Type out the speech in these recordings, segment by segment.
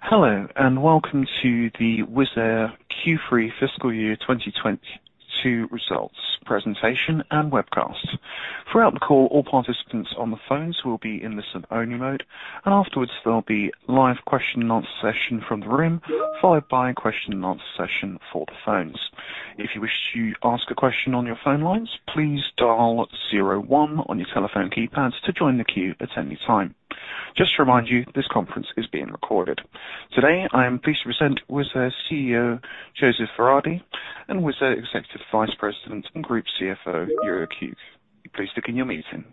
Hello, and welcome to the Wizz Air Q3 Fiscal Year 2022 results presentation and webcast. Throughout the call, all participants on the phones will be in listen only mode, and afterwards there'll be live question and answer session from the room, followed by a question and answer session for the phones. If you wish to ask a question on your phone lines, please dial zero one on your telephone keypads to join the queue at any time. Just to remind you, this conference is being recorded. Today, I am pleased to present Wizz Air CEO, József Váradi, and Wizz Air Executive Vice President and Group CFO, Jourik Hooghe. Please begin your meeting.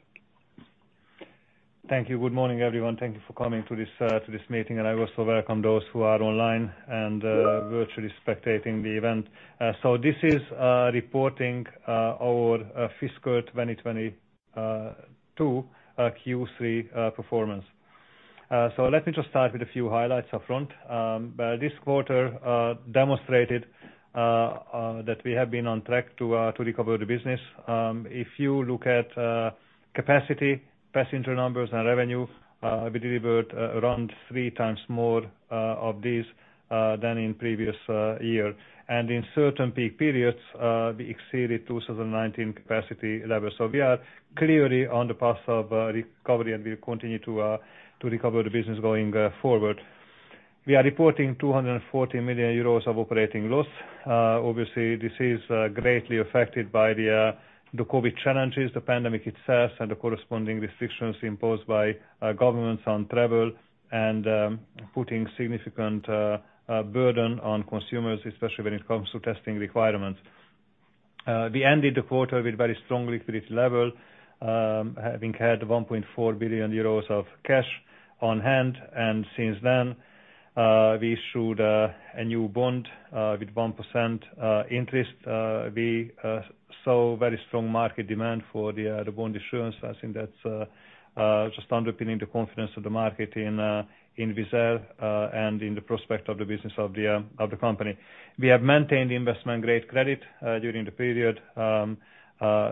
Thank you. Good morning, everyone. Thank you for coming to this meeting, and I also welcome those who are online and virtually spectating the event. This is reporting our fiscal 2022 Q3 performance. Let me just start with a few highlights up front. This quarter demonstrated that we have been on track to recover the business. If you look at capacity, passenger numbers and revenue, we delivered around three times more of these than in previous year. In certain peak periods, we exceeded 2019 capacity levels. We are clearly on the path of recovery, and we'll continue to recover the business going forward. We are reporting 240 million euros of operating loss. Obviously, this is greatly affected by the COVID challenges, the pandemic itself, and the corresponding restrictions imposed by governments on travel and putting significant burden on consumers, especially when it comes to testing requirements. We ended the quarter with very strong liquidity level, having had 1.4 billion euros of cash on hand. Since then, we issued a new bond with 1% interest. We saw very strong market demand for the bond issuance. I think that's just underpinning the confidence of the market in Wizz Air and in the prospect of the business of the company. We have maintained investment grade credit during the period.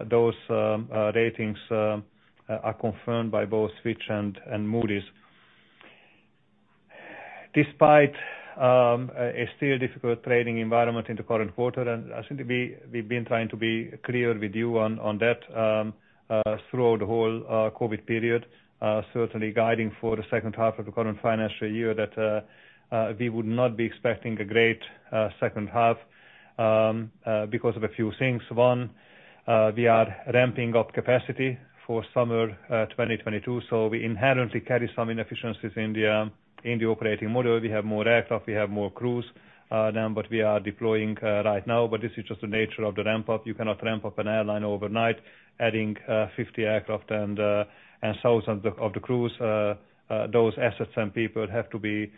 Those ratings are confirmed by both Fitch and Moody's. Despite a still difficult trading environment in the current quarter, and I think we've been trying to be clear with you on that throughout the whole COVID period, certainly guiding for the second half of the current financial year that we would not be expecting a great second half because of a few things. One, we are ramping up capacity for summer 2022, so we inherently carry some inefficiencies in the operating model. We have more aircraft, we have more crews than what we are deploying right now, but this is just the nature of the ramp up. You cannot ramp up an airline overnight adding 50 aircraft and thousands of the crews. Those assets and people have to be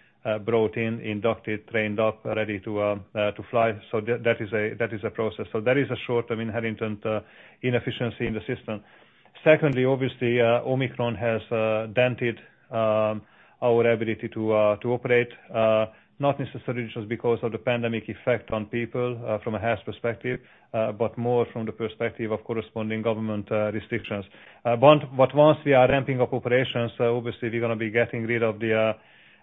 brought in, inducted, trained up, ready to fly. That is a process. That is a short-term inherited inefficiency in the system. Secondly, obviously, Omicron has dented our ability to operate, not necessarily just because of the pandemic effect on people from a health perspective, but more from the perspective of corresponding government restrictions. Once we are ramping up operations, obviously we're gonna be getting rid of the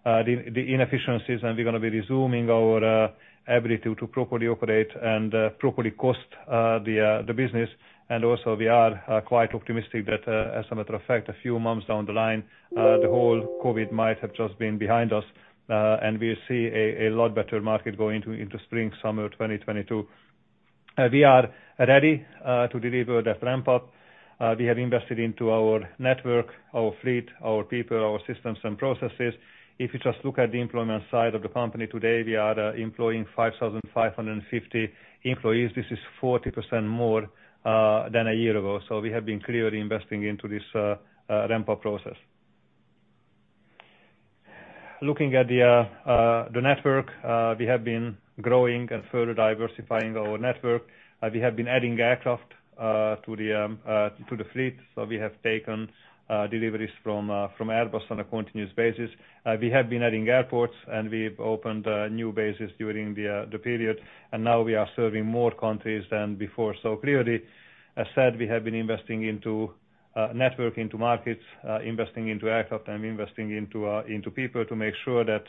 inefficiencies and we're gonna be resuming our ability to properly operate and properly cost the business. We are quite optimistic that, as a matter of fact, a few months down the line, the whole COVID might have just been behind us, and we see a lot better market going into spring, summer 2022. We are ready to deliver the ramp up. We have invested into our network, our fleet, our people, our systems and processes. If you just look at the employment side of the company today, we are employing 5,550 employees. This is 40% more than a year ago. We have been clearly investing into this ramp up process. Looking at the network, we have been growing and further diversifying our network. We have been adding aircraft to the fleet. We have taken deliveries from Airbus on a continuous basis. We have been adding airports, and we've opened new bases during the period, and now we are serving more countries than before. Clearly, as said, we have been investing into network, into markets, investing into aircraft and investing into people to make sure that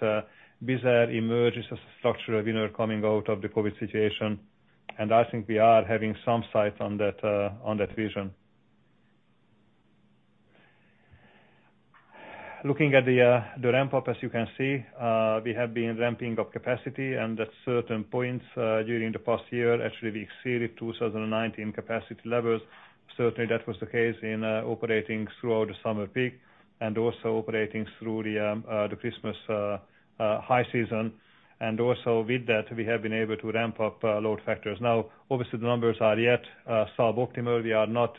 Wizz Air emerges as a structural winner coming out of the COVID situation. I think we are having some sight on that vision. Looking at the ramp up, as you can see, we have been ramping up capacity and at certain points during the past year, actually we exceeded 2019 capacity levels. Certainly that was the case in operating throughout the summer peak and also operating through the Christmas high season. Also with that, we have been able to ramp up load factors. Now, obviously the numbers are yet sub-optimal. We are not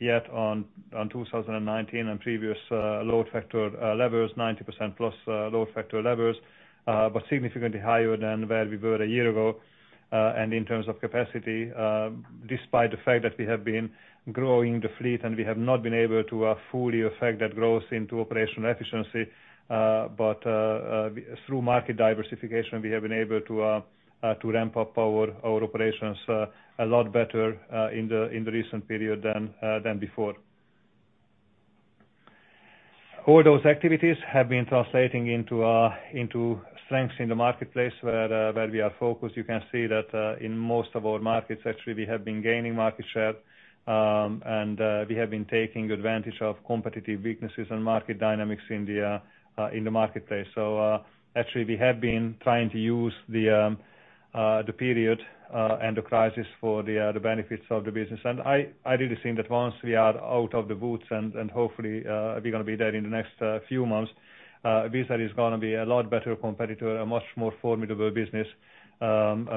yet on 2019 previous load factor levels, 90%+ load factor levels, but significantly higher than where we were a year ago. In terms of capacity, despite the fact that we have been growing the fleet and we have not been able to fully affect that growth into operational efficiency, but through market diversification, we have been able to to ramp up our operations a lot better in the recent period than before. All those activities have been translating into strengths in the marketplace where we are focused. You can see that in most of our markets, actually, we have been gaining market share, and we have been taking advantage of competitive weaknesses and market dynamics in the marketplace. Actually we have been trying to use the period and the crisis for the benefits of the business. I really think that once we are out of the woods and hopefully we're gonna be there in the next few months, Wizz Air is gonna be a lot better competitor, a much more formidable business,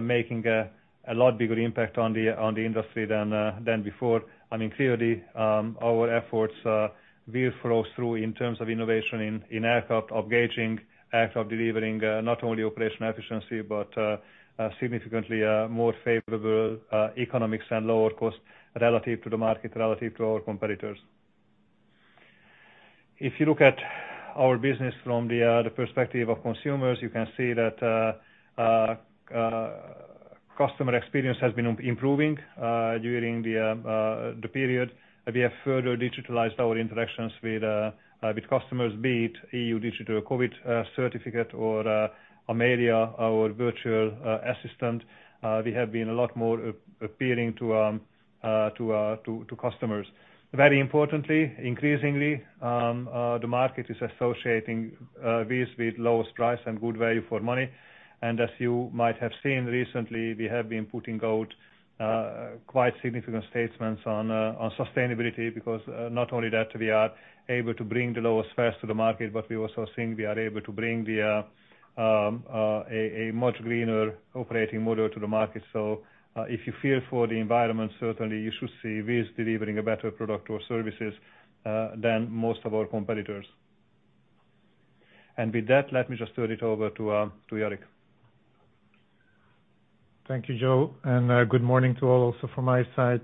making a lot bigger impact on the industry than before. I mean, clearly, our efforts will flow through in terms of innovation in aircraft upgauging, aircraft delivering not only operational efficiency, but significantly more favorable economics and lower cost relative to the market, relative to our competitors. If you look at our business from the perspective of consumers, you can see that customer experience has been improving during the period. We have further digitalized our interactions with customers, be it EU Digital COVID Certificate or Amelia, our virtual assistant. We have been a lot more appealing to customers. Very importantly, increasingly, the market is associating Wizz with lowest price and good value for money. As you might have seen recently, we have been putting out quite significant statements on sustainability because not only that we are able to bring the lowest fares to the market, but we're also seeing we are able to bring a much greener operating model to the market. If you fear for the environment, certainly you should see Wizz delivering a better product or services than most of our competitors. With that, let me just turn it over to Jourik. Thank you, Joe, and good morning to all also from my side.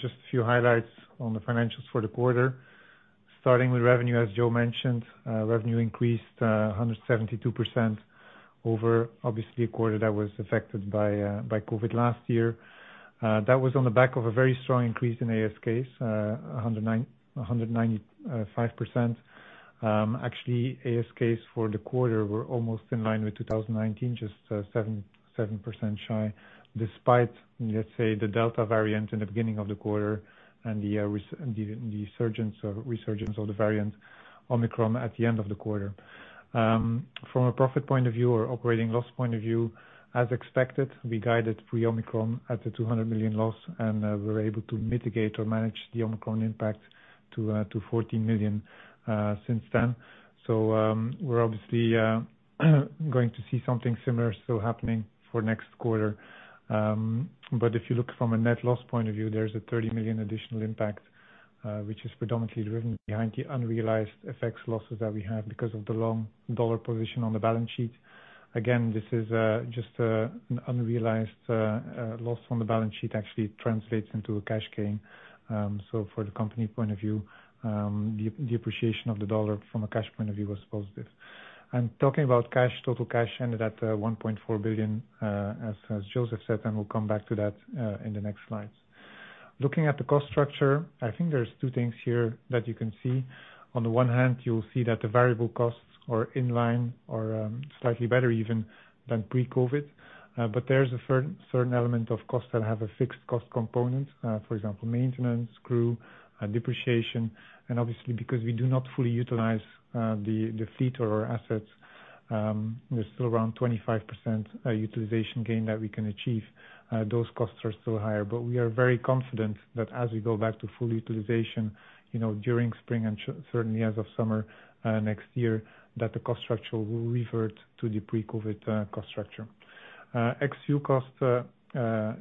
Just a few highlights on the financials for the quarter. Starting with revenue, as Joe mentioned, revenue increased 172% over obviously a quarter that was affected by COVID last year. That was on the back of a very strong increase in ASKs 195%. Actually, ASKs for the quarter were almost in line with 2019, just 7% shy, despite, let's say, the Delta variant in the beginning of the quarter and the resurgence of the variant Omicron at the end of the quarter. From a profit point of view or operating loss point of view, as expected, we guided pre-Omicron at a 200 million loss, and we were able to mitigate or manage the Omicron impact to 14 million since then. We're obviously going to see something similar still happening for next quarter. If you look from a net loss point of view, there's a 30 million additional impact, which is predominantly driven by the unrealized FX losses that we have because of the long dollar position on the balance sheet. Again, this is just an unrealized loss on the balance sheet actually translates into a cash gain. For the company point of view, the appreciation of the dollar from a cash point of view was positive. Talking about cash, total cash ended at 1.4 billion, as József said, and we'll come back to that in the next slides. Looking at the cost structure, I think there's two things here that you can see. On the one hand, you'll see that the variable costs are in line or slightly better even than pre-COVID. There's a certain element of costs that have a fixed cost component, for example, maintenance, crew, depreciation. Obviously, because we do not fully utilize the fleet or our assets, there's still around 25% utilization gain that we can achieve. Those costs are still higher. We are very confident that as we go back to full utilization, you know, during spring and certainly as of summer next year, that the cost structure will revert to the pre-COVID cost structure. Ex-fuel cost,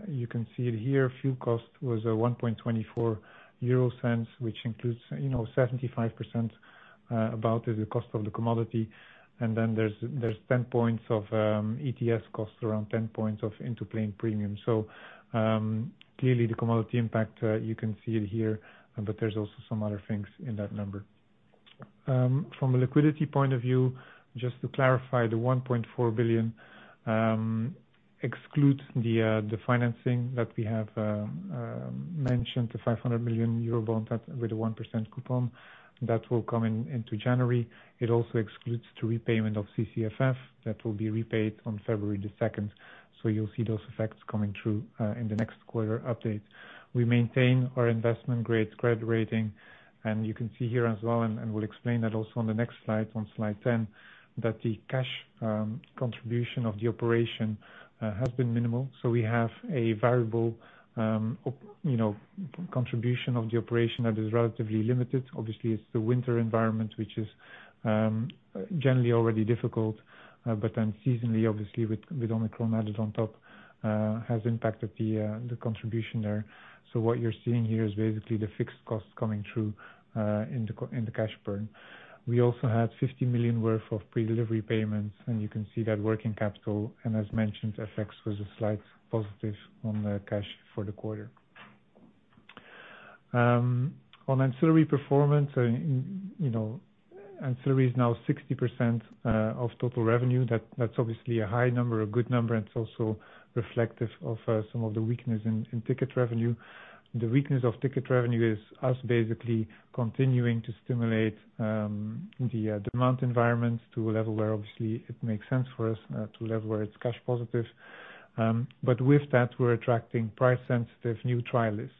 you can see it here. Fuel cost was 0.0124, which includes, you know, 75% about the cost of the commodity. Then there's 10 points of ETS costs, around 10 points of into-plane premium. Clearly the commodity impact, you can see it here, but there's also some other things in that number. From a liquidity point of view, just to clarify, the 1.4 billion excludes the financing that we have mentioned, the 500 million euro bond with a 1% coupon that will come into January. It also excludes the repayment of CCFF that will be repaid on February 2. You'll see those effects coming through in the next quarter update. We maintain our investment grade credit rating, and you can see here as well, and we'll explain that also on the next slide, on slide 10, that the cash contribution of the operation has been minimal. We have a variable you know contribution of the operation that is relatively limited. Obviously, it's the winter environment, which is generally already difficult, but then seasonally, obviously with Omicron added on top, has impacted the contribution there. What you're seeing here is basically the fixed cost coming through in the cash burn. We also had 50 million worth of pre-delivery payments, and you can see that working capital, and as mentioned, FX was a slight positive on the cash for the quarter. On ancillary performance, you know, ancillary is now 60% of total revenue. That's obviously a high number, a good number. It's also reflective of some of the weakness in ticket revenue. The weakness of ticket revenue is us basically continuing to stimulate the demand environment to a level where obviously it makes sense for us to a level where it's cash positive. With that, we're attracting price-sensitive new trialists.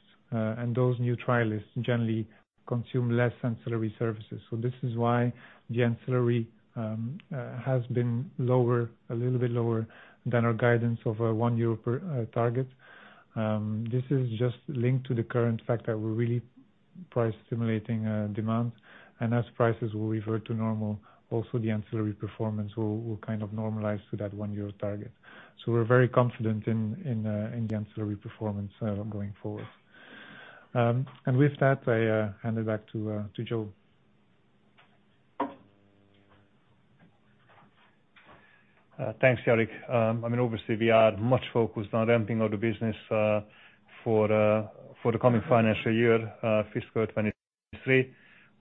Those new trialists generally consume less ancillary services. This is why the ancillary has been lower, a little bit lower than our guidance of one-year target. This is just linked to the current fact that we're really price stimulating demand. As prices will revert to normal, also the ancillary performance will kind of normalize to that one-year target. We're very confident in the ancillary performance going forward. With that, I hand it back to Joe. Thanks, Jourik. I mean, obviously we are much focused on ramping up the business for the coming financial year, fiscal 2023.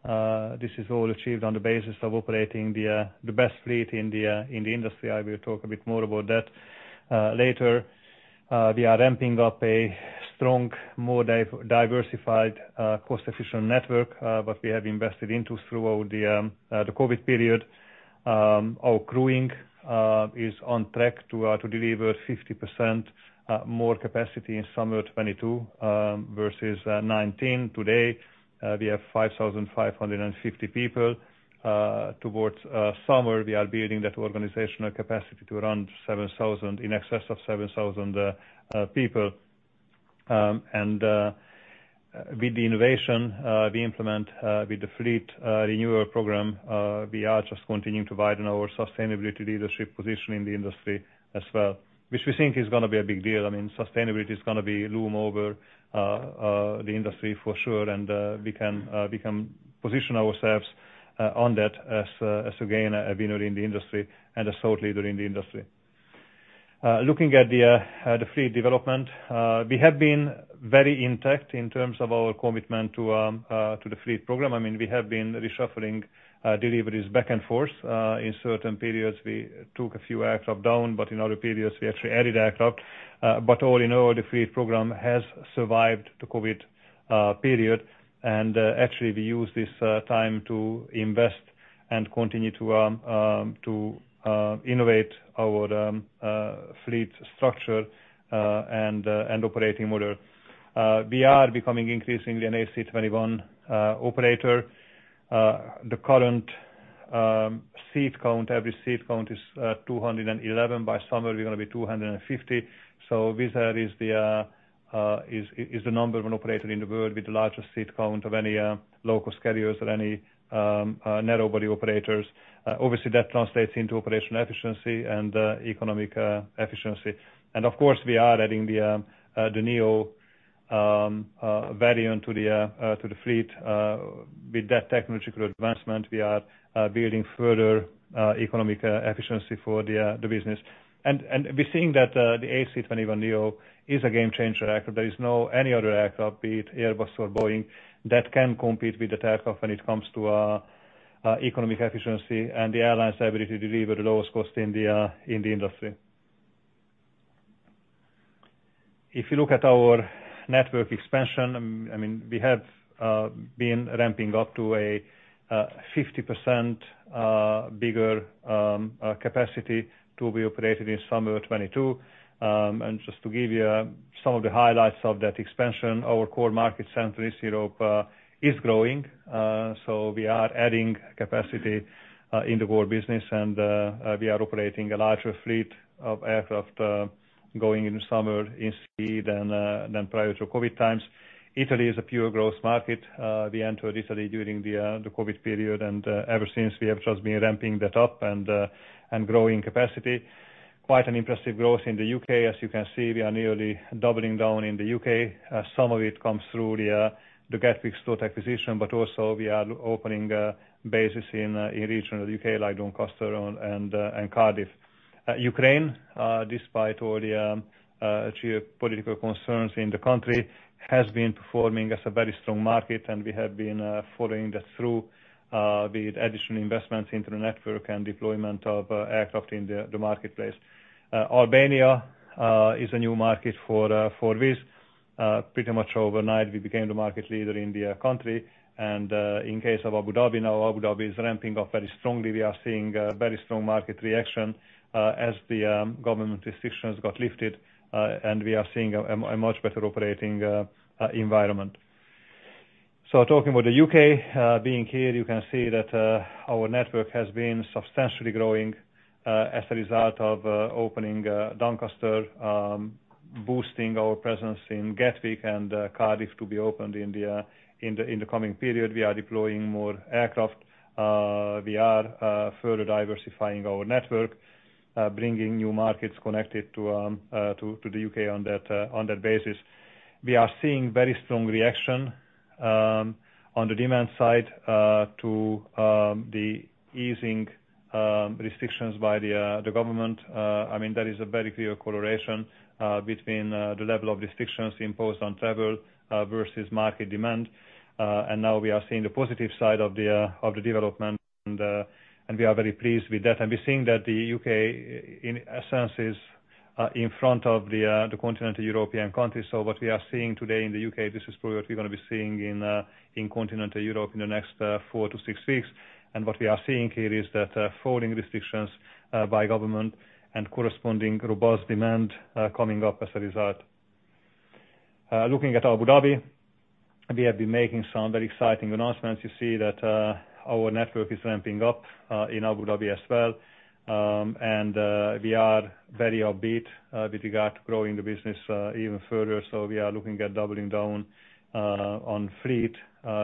This is all achieved on the basis of operating the best fleet in the industry. I will talk a bit more about that later. We are ramping up a strong, more diversified, cost efficient network what we have invested into throughout the COVID period. Our crewing is on track to deliver 50% more capacity in summer 2022 versus 2019. Today we have 5,550 people. Towards summer we are building that organizational capacity to around 7,000, in excess of 7,000 people. With the innovation we implement with the fleet renewal program, we are just continuing to widen our sustainability leadership position in the industry as well, which we think is gonna be a big deal. I mean, sustainability is gonna be loom over the industry for sure, and we can position ourselves on that as a winner in the industry and a thought leader in the industry. Looking at the fleet development, we have been very intact in terms of our commitment to the fleet program. I mean, we have been reshuffling deliveries back and forth. In certain periods, we took a few aircraft down, but in other periods we actually added aircraft. All in all, the fleet program has survived the COVID period. Actually we used this time to invest and continue to innovate our fleet structure and operating model. We are becoming increasingly an A321 operator. The current average seat count is 211. By summer, we're gonna be 250. Wizz Air is the number one operator in the world with the largest seat count of any low-cost carriers or any narrow-body operators. Obviously that translates into operational efficiency and economic efficiency. Of course, we are adding the neo variant to the fleet. With that technological advancement, we are building further economic efficiency for the business. We're seeing that the A321neo is a game changer aircraft. There is no any other aircraft, be it Airbus or Boeing, that can compete with that aircraft when it comes to economic efficiency and the airline's ability to deliver the lowest cost in the industry. If you look at our network expansion, I mean, we have been ramping up to a 50% bigger capacity to be operated in summer 2022. Just to give you some of the highlights of that expansion, our core market center, East Europe, is growing. We are adding capacity in the core business, and we are operating a larger fleet of aircraft going into summer indeed and than prior to COVID times. Italy is a pure growth market. We entered Italy during the COVID period, and ever since we have just been ramping that up and growing capacity. Quite an impressive growth in the U.K. As you can see, we are nearly doubling down in the U.K. Some of it comes through the Gatwick slot acquisition, but also we are opening bases in regional U.K., like Doncaster and Cardiff. Ukraine, despite all the geopolitical concerns in the country, has been performing as a very strong market and we have been following that through with additional investments into the network and deployment of aircraft in the marketplace. Albania is a new market for Wizz. Pretty much overnight we became the market leader in the country. In case of Abu Dhabi, now Abu Dhabi is ramping up very strongly. We are seeing a very strong market reaction, as the government restrictions got lifted, and we are seeing a much better operating environment. Talking about the U.K., being here you can see that our network has been substantially growing as a result of opening Doncaster, boosting our presence in Gatwick and Cardiff to be opened in the coming period. We are deploying more aircraft. We are further diversifying our network, bringing new markets connected to the U.K. on that basis. We are seeing very strong reaction on the demand side to the easing restrictions by the government. I mean, there is a very clear correlation between the level of restrictions imposed on travel versus market demand. Now we are seeing the positive side of the development and we are very pleased with that. We're seeing that the U.K. in a sense is in front of the continental European countries. What we are seeing today in the U.K., this is probably what we're gonna be seeing in continental Europe in the next four to six weeks. What we are seeing here is that falling restrictions by government and corresponding robust demand coming up as a result. Looking at Abu Dhabi, we have been making some very exciting announcements. You see that our network is ramping up in Abu Dhabi as well. We're very upbeat with regard to growing the business even further. We are looking at doubling down on fleet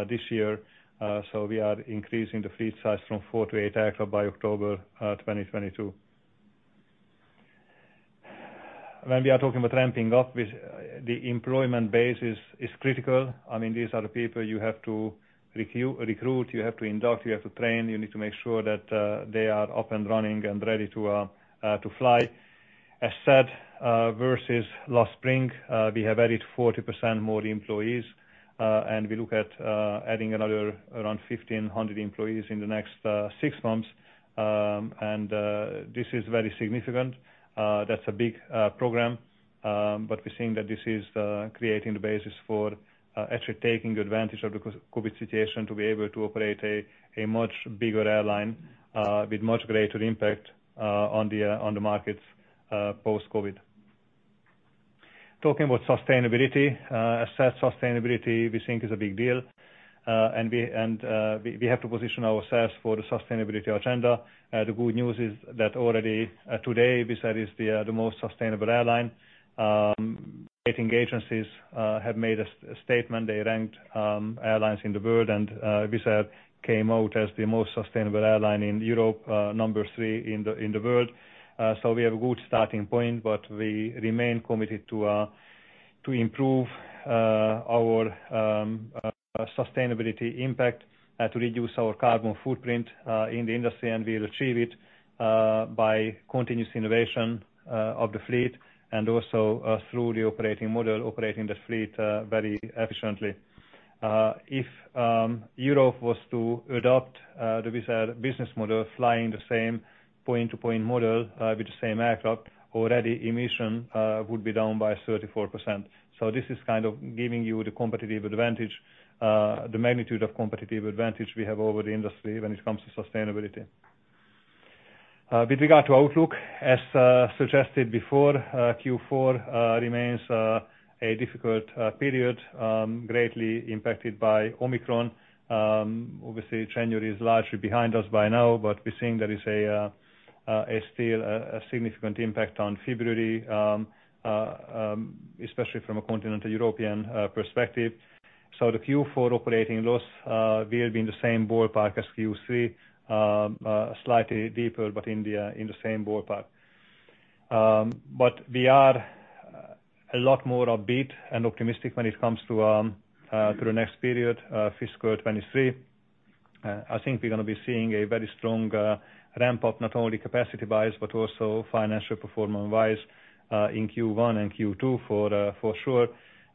this year. We are increasing the fleet size from four to eight aircraft by October 2022. When we are talking about ramping up, the employment base is critical. I mean, these are the people you have to recruit, you have to induct, you have to train, you need to make sure that they are up and running and ready to fly. As said, versus last spring, we have added 40% more employees, and we look at adding another around 1,500 employees in the next six months. This is very significant. That's a big program. We're seeing that this is creating the basis for actually taking advantage of the COVID situation to be able to operate a much bigger airline with much greater impact on the markets post-COVID. Talking about sustainability, as said, sustainability we think is a big deal. We have to position ourselves for the sustainability agenda. The good news is that already, today, Wizz Air is the most sustainable airline. Rating agencies have made a statement. They ranked airlines in the world and Wizz Air came out as the most sustainable airline in Europe, number three in the world. We have a good starting point, but we remain committed to improve our sustainability impact, to reduce our carbon footprint in the industry, and we'll achieve it by continuous innovation of the fleet and also through the operating model, operating the fleet very efficiently. If Europe was to adopt the Wizz Air business model, flying the same point-to-point model with the same aircraft, already emissions would be down by 34%. This is kind of giving you the competitive advantage, the magnitude of competitive advantage we have over the industry when it comes to sustainability. With regard to outlook, as suggested before, Q4 remains a difficult period greatly impacted by Omicron. Obviously January is largely behind us by now, but we're seeing there is still a significant impact on February, especially from a continental European perspective. The Q4 operating loss will be in the same ballpark as Q3, slightly deeper, but in the same ballpark. We are a lot more upbeat and optimistic when it comes to the next period, fiscal 2023. I think we're gonna be seeing a very strong ramp up, not only capacity-wise, but also financial performance-wise, in Q1 and Q2 for sure.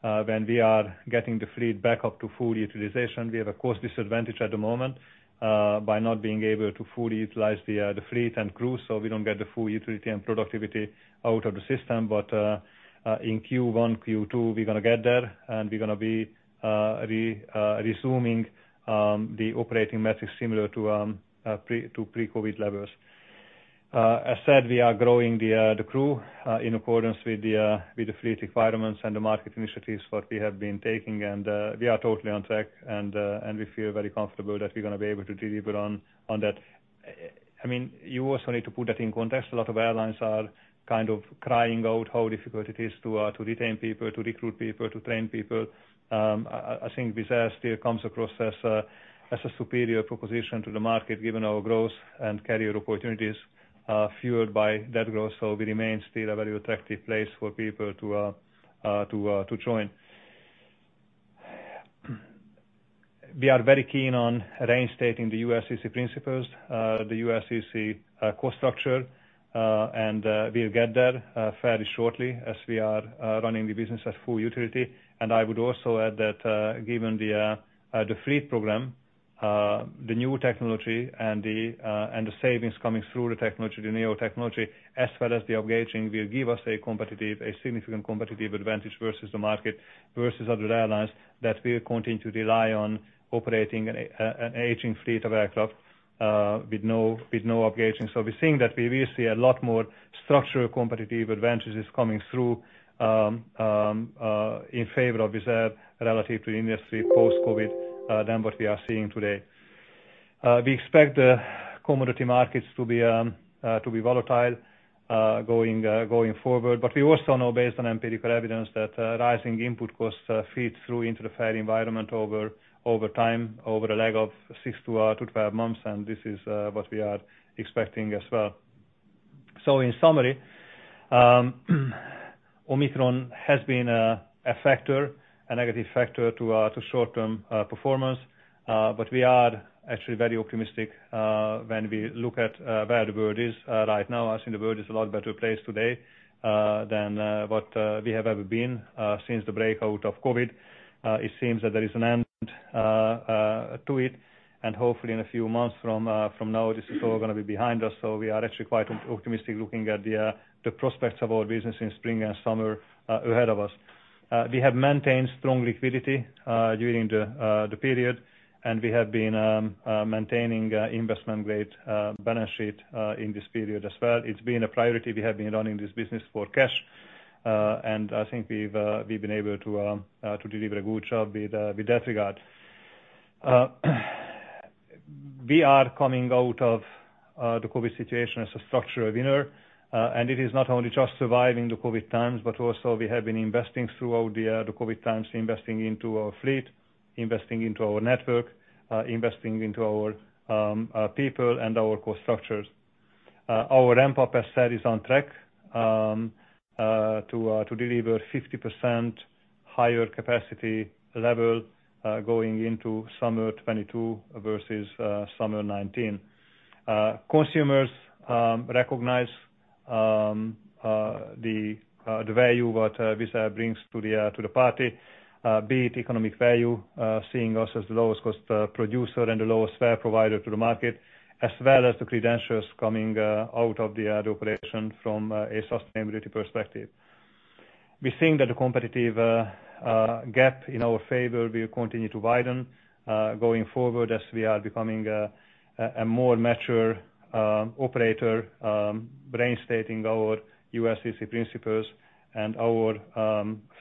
When we are getting the fleet back up to full utilization, we have a cost disadvantage at the moment, by not being able to fully utilize the fleet and crew, so we don't get the full utility and productivity out of the system. In Q1, Q2, we're gonna get there, and we're gonna be resuming the operating metrics similar to pre-COVID levels. As said, we are growing the crew in accordance with the fleet requirements and the market initiatives what we have been taking. We are totally on track, and we feel very comfortable that we're gonna be able to deliver on that. I mean, you also need to put that in context. A lot of airlines are kind of crying out how difficult it is to retain people, to recruit people, to train people. I think Wizz Air still comes across as a superior proposition to the market, given our growth and career opportunities fueled by that growth. We remain still a very attractive place for people to join. We are very keen on reinstating the ULCC principles, the ULCC cost structure, and we'll get there fairly shortly as we are running the business at full utility. I would also add that given the fleet program, the new technology and the savings coming through the technology, the neo technology, as well as the upgauging will give us a significant competitive advantage versus the market, versus other airlines that will continue to rely on operating an aging fleet of aircraft, with no upgauging. We're seeing that we will see a lot more structural competitive advantages coming through in favor of Wizz Air relative to the industry post-COVID than what we are seeing today. We expect the commodity markets to be volatile going forward. We also know based on empirical evidence that rising input costs feed through into the fare environment over time, over a lag of six-12 months, and this is what we are expecting as well. In summary, Omicron has been a factor, a negative factor to short-term performance. We are actually very optimistic when we look at where the world is right now. I think the world is a lot better place today than what we have ever been since the breakout of COVID. It seems that there is an end to it, and hopefully in a few months from now, this is all gonna be behind us. We are actually quite optimistic looking at the prospects of our business in spring and summer ahead of us. We have maintained strong liquidity during the period, and we have been maintaining an investment grade balance sheet in this period as well. It's been a priority, we have been running this business for cash. I think we've been able to deliver a good job in that regard. We are coming out of the COVID situation as a structural winner. It is not only just surviving the COVID times, but also we have been investing throughout the COVID times, investing into our fleet, investing into our network, investing into our people and our cost structures. Our ramp up as said is on track to deliver 50% higher capacity level going into summer 2022 versus summer 2019. Consumers recognize the value what Wizz Air brings to the party, be it economic value, seeing us as the lowest cost producer and the lowest fare provider to the market, as well as the credentials coming out of the operation from a sustainability perspective. We're seeing that the competitive gap in our favor will continue to widen going forward as we are becoming a more mature operator, upholding our ULCC principles and our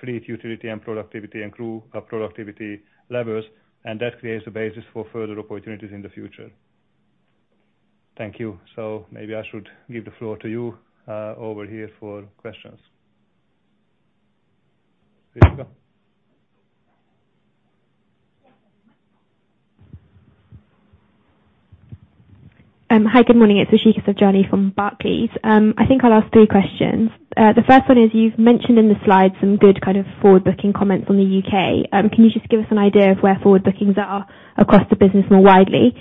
fleet utility and productivity and crew productivity levels, and that creates a basis for further opportunities in the future. Thank you. Maybe I should give the floor to you over here for questions. Ashika. Hi, good morning. It's Ashika Bhavnani from Barclays. I think I'll ask three questions. The first one is, you've mentioned in the slides some good kind of forward-looking comments on the U.K. Can you just give us an idea of where forward bookings are across the business more widely?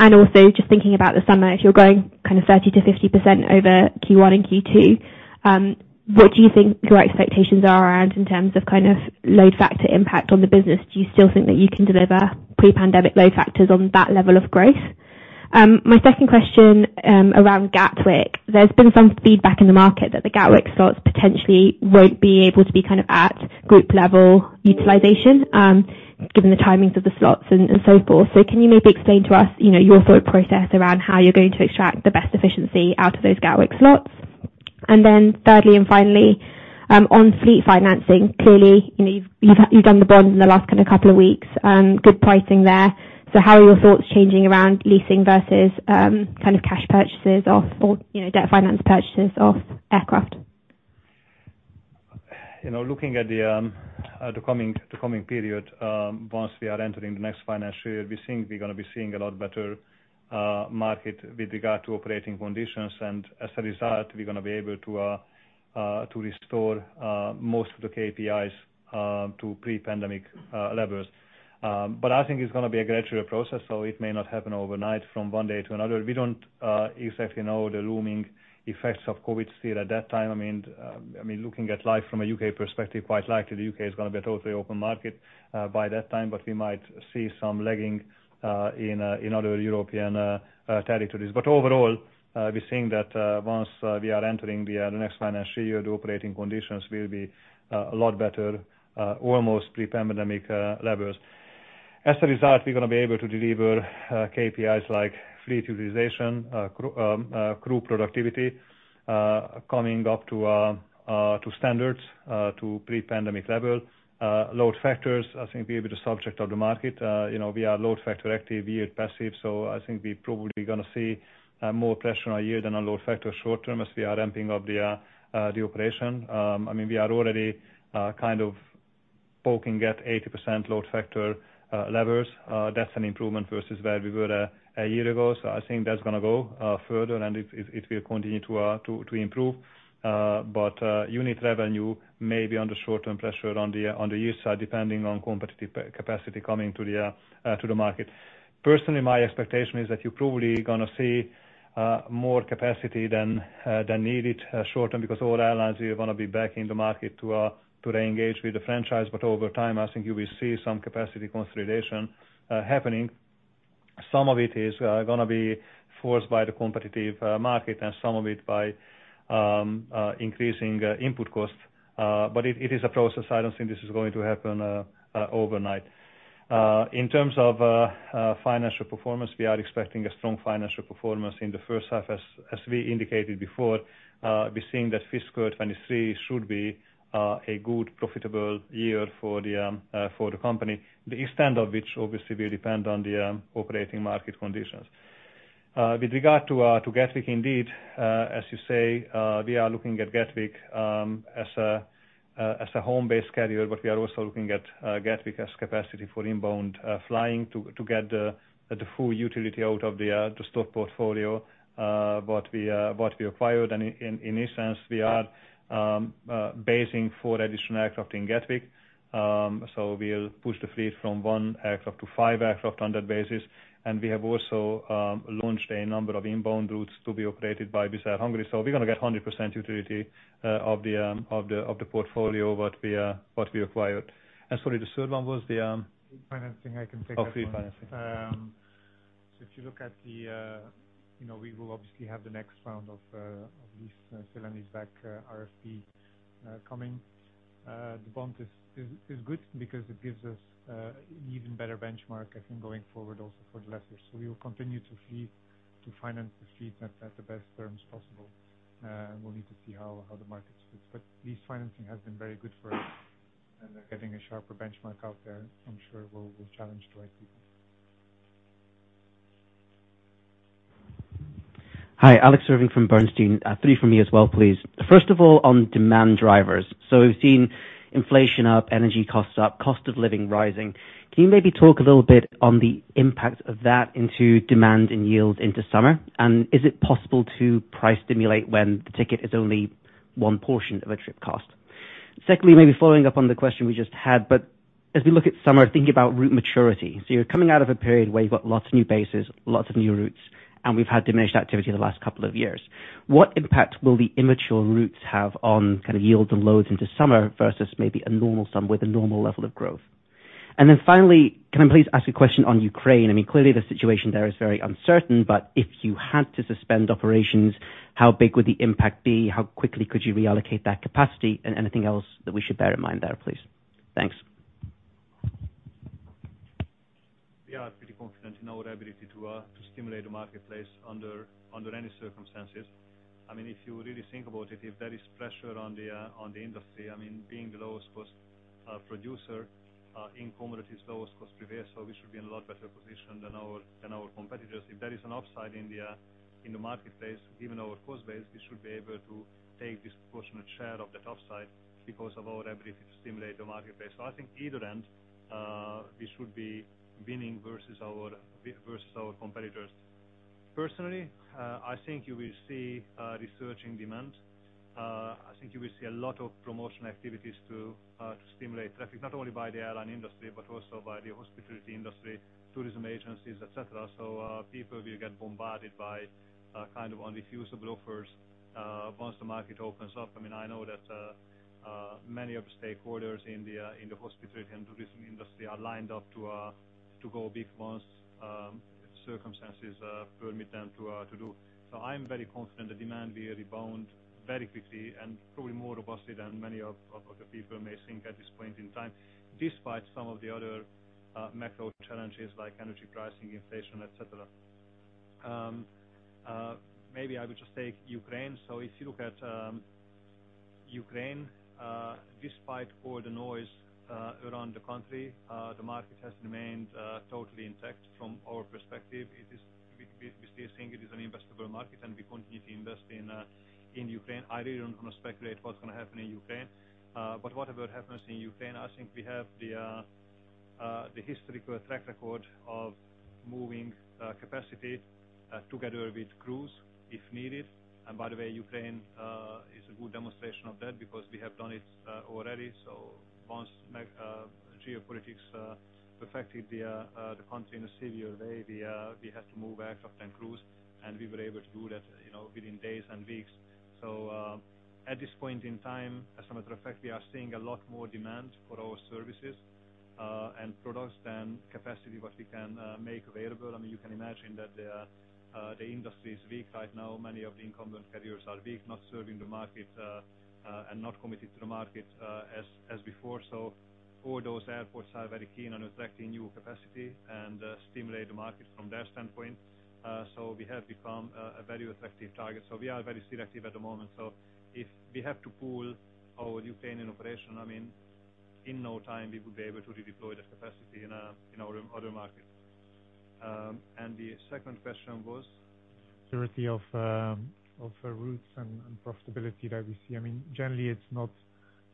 Also just thinking about the summer, if you're growing kind of 30%-50% over Q1 and Q2, what do you think your expectations are around in terms of kind of load factor impact on the business? Do you still think that you can deliver pre-pandemic load factors on that level of growth? My second question around Gatwick. There's been some feedback in the market that the Gatwick slots potentially won't be able to be kind of at group level utilization, given the timings of the slots and so forth. Can you maybe explain to us, you know, your thought process around how you're going to extract the best efficiency out of those Gatwick slots? Then thirdly and finally, on fleet financing. Clearly, you know, you've done the bonds in the last kind of couple of weeks, good pricing there. How are your thoughts changing around leasing versus, kind of cash purchases of, or, you know, debt finance purchases of aircraft? You know, looking at the coming period, once we are entering the next financial year, we think we're gonna be seeing a lot better market with regard to operating conditions. As a result, we're gonna be able to restore most of the KPIs to pre-pandemic levels. But I think it's gonna be a gradual process, so it may not happen overnight from one day to another. We don't exactly know the looming effects of COVID still at that time. I mean, looking at life from a U.K. perspective, quite likely the U.K. is gonna be a totally open market by that time, but we might see some lagging in other European territories. Overall, we're seeing that once we are entering the next financial year, the operating conditions will be a lot better, almost pre-pandemic levels. As a result, we're gonna be able to deliver KPIs like fleet utilization, crew productivity coming up to standards, to pre-pandemic level. Load factors, I think will be the subject of the market. You know, we are load factor active, yield passive, so I think we probably gonna see more pressure on yield than on load factor short term as we are ramping up the operation. I mean, we are already kind of poking at 80% load factor levels. That's an improvement versus where we were a year ago. I think that's gonna go further and it will continue to improve. Unit revenue may be under short-term pressure on the yield side, depending on competitive capacity coming to the market. Personally, my expectation is that you're probably gonna see more capacity than needed short term, because all airlines really wanna be back in the market to re-engage with the franchise. Over time, I think you will see some capacity consolidation happening. Some of it is gonna be forced by the competitive market and some of it by increasing input costs. It is a process. I don't think this is going to happen overnight. In terms of financial performance, we are expecting a strong financial performance in the first half. As we indicated before, we're seeing that fiscal 2023 should be a good profitable year for the company, the extent of which obviously will depend on the operating market conditions. With regard to Gatwick indeed, as you say, we are looking at Gatwick as a home-based carrier, but we are also looking at Gatwick as capacity for inbound flying to get the full utility out of the stock portfolio what we acquired. In essence we are basing four additional aircraft in Gatwick. We'll push the fleet from one aircraft to five aircraft on that basis. We have also launched a number of inbound routes to be operated by Wizz Air Hungary. We're gonna get 100% utilization of the portfolio what we acquired. Sorry, the third one was the Financing. I can take that one. Oh, fleet financing. If you look at the, you know, we will obviously have the next round of lease sale-and-leaseback RFP coming. The bond is good because it gives us an even better benchmark, I think going forward also for the lessors. We will continue to finance the fleet at the best terms possible. We'll need to see how the markets fit. This financing has been very good for us, and they're getting a sharper benchmark out there I'm sure will challenge the right people. Hi, Alexander Irving from Bernstein. Three from me as well, please. First of all, on demand drivers. We've seen inflation up, energy costs up, cost of living rising. Can you maybe talk a little bit on the impact of that into demand and yield into summer? And is it possible to price stimulate when the ticket is only one portion of a trip cost? Secondly, maybe following up on the question we just had, but as we look at summer, thinking about route maturity, so you're coming out of a period where you've got lots of new bases, lots of new routes, and we've had diminished activity the last couple of years. What impact will the immature routes have on kinda yields and loads into summer versus maybe a normal summer with a normal level of growth? Then finally, can I please ask a question on Ukraine? I mean, clearly the situation there is very uncertain, but if you had to suspend operations, how big would the impact be? How quickly could you reallocate that capacity and anything else that we should bear in mind there, please? Thanks. We are pretty confident in our ability to stimulate the marketplace under any circumstances. I mean, if you really think about it, if there is pressure on the industry, I mean being the lowest cost producer in the industry, so we should be in a lot better position than our competitors. If there is an upside in the marketplace, given our cost base, we should be able to take disproportionate share of that upside because of our ability to stimulate the marketplace. I think either end, we should be winning versus our competitors. Personally, I think you will see resurgent demand. I think you will see a lot of promotional activities to stimulate traffic, not only by the airline industry, but also by the hospitality industry, tourism agencies, etc. People will get bombarded by kind of irrefusable offers once the market opens up. I mean, I know that many of the stakeholders in the hospitality and tourism industry are lined up to go big once circumstances permit them to do. I'm very confident the demand will rebound very quickly and probably more robustly than many of the people may think at this point in time, despite some of the other macro challenges like energy pricing, inflation, etc. Maybe I would just take Ukraine. If you look at Ukraine, despite all the noise around the country, the market has remained totally intact from our perspective. It is, we still think it is an investable market and we continue to invest in Ukraine. I really don't wanna speculate what's gonna happen in Ukraine. But whatever happens in Ukraine, I think we have the historical track record of moving capacity together with crews if needed. By the way, Ukraine is a good demonstration of that because we have done it already. Once geopolitics affected the country in a severe way, we had to move aircraft and crews, and we were able to do that, you know, within days and weeks. At this point in time, as a matter of fact, we are seeing a lot more demand for our services and products than the capacity we can make available. I mean, you can imagine that the industry is weak right now. Many of the incumbent carriers are weak, not serving the market and not committed to the market as before. All those airports are very keen on attracting new capacity and stimulate the market from their standpoint. We have become a very attractive target. We are very selective at the moment. If we have to pull our Ukraine operation, I mean, in no time we would be able to redeploy that capacity in other markets. The second question was? Durability of the routes and profitability that we see. I mean, generally it's not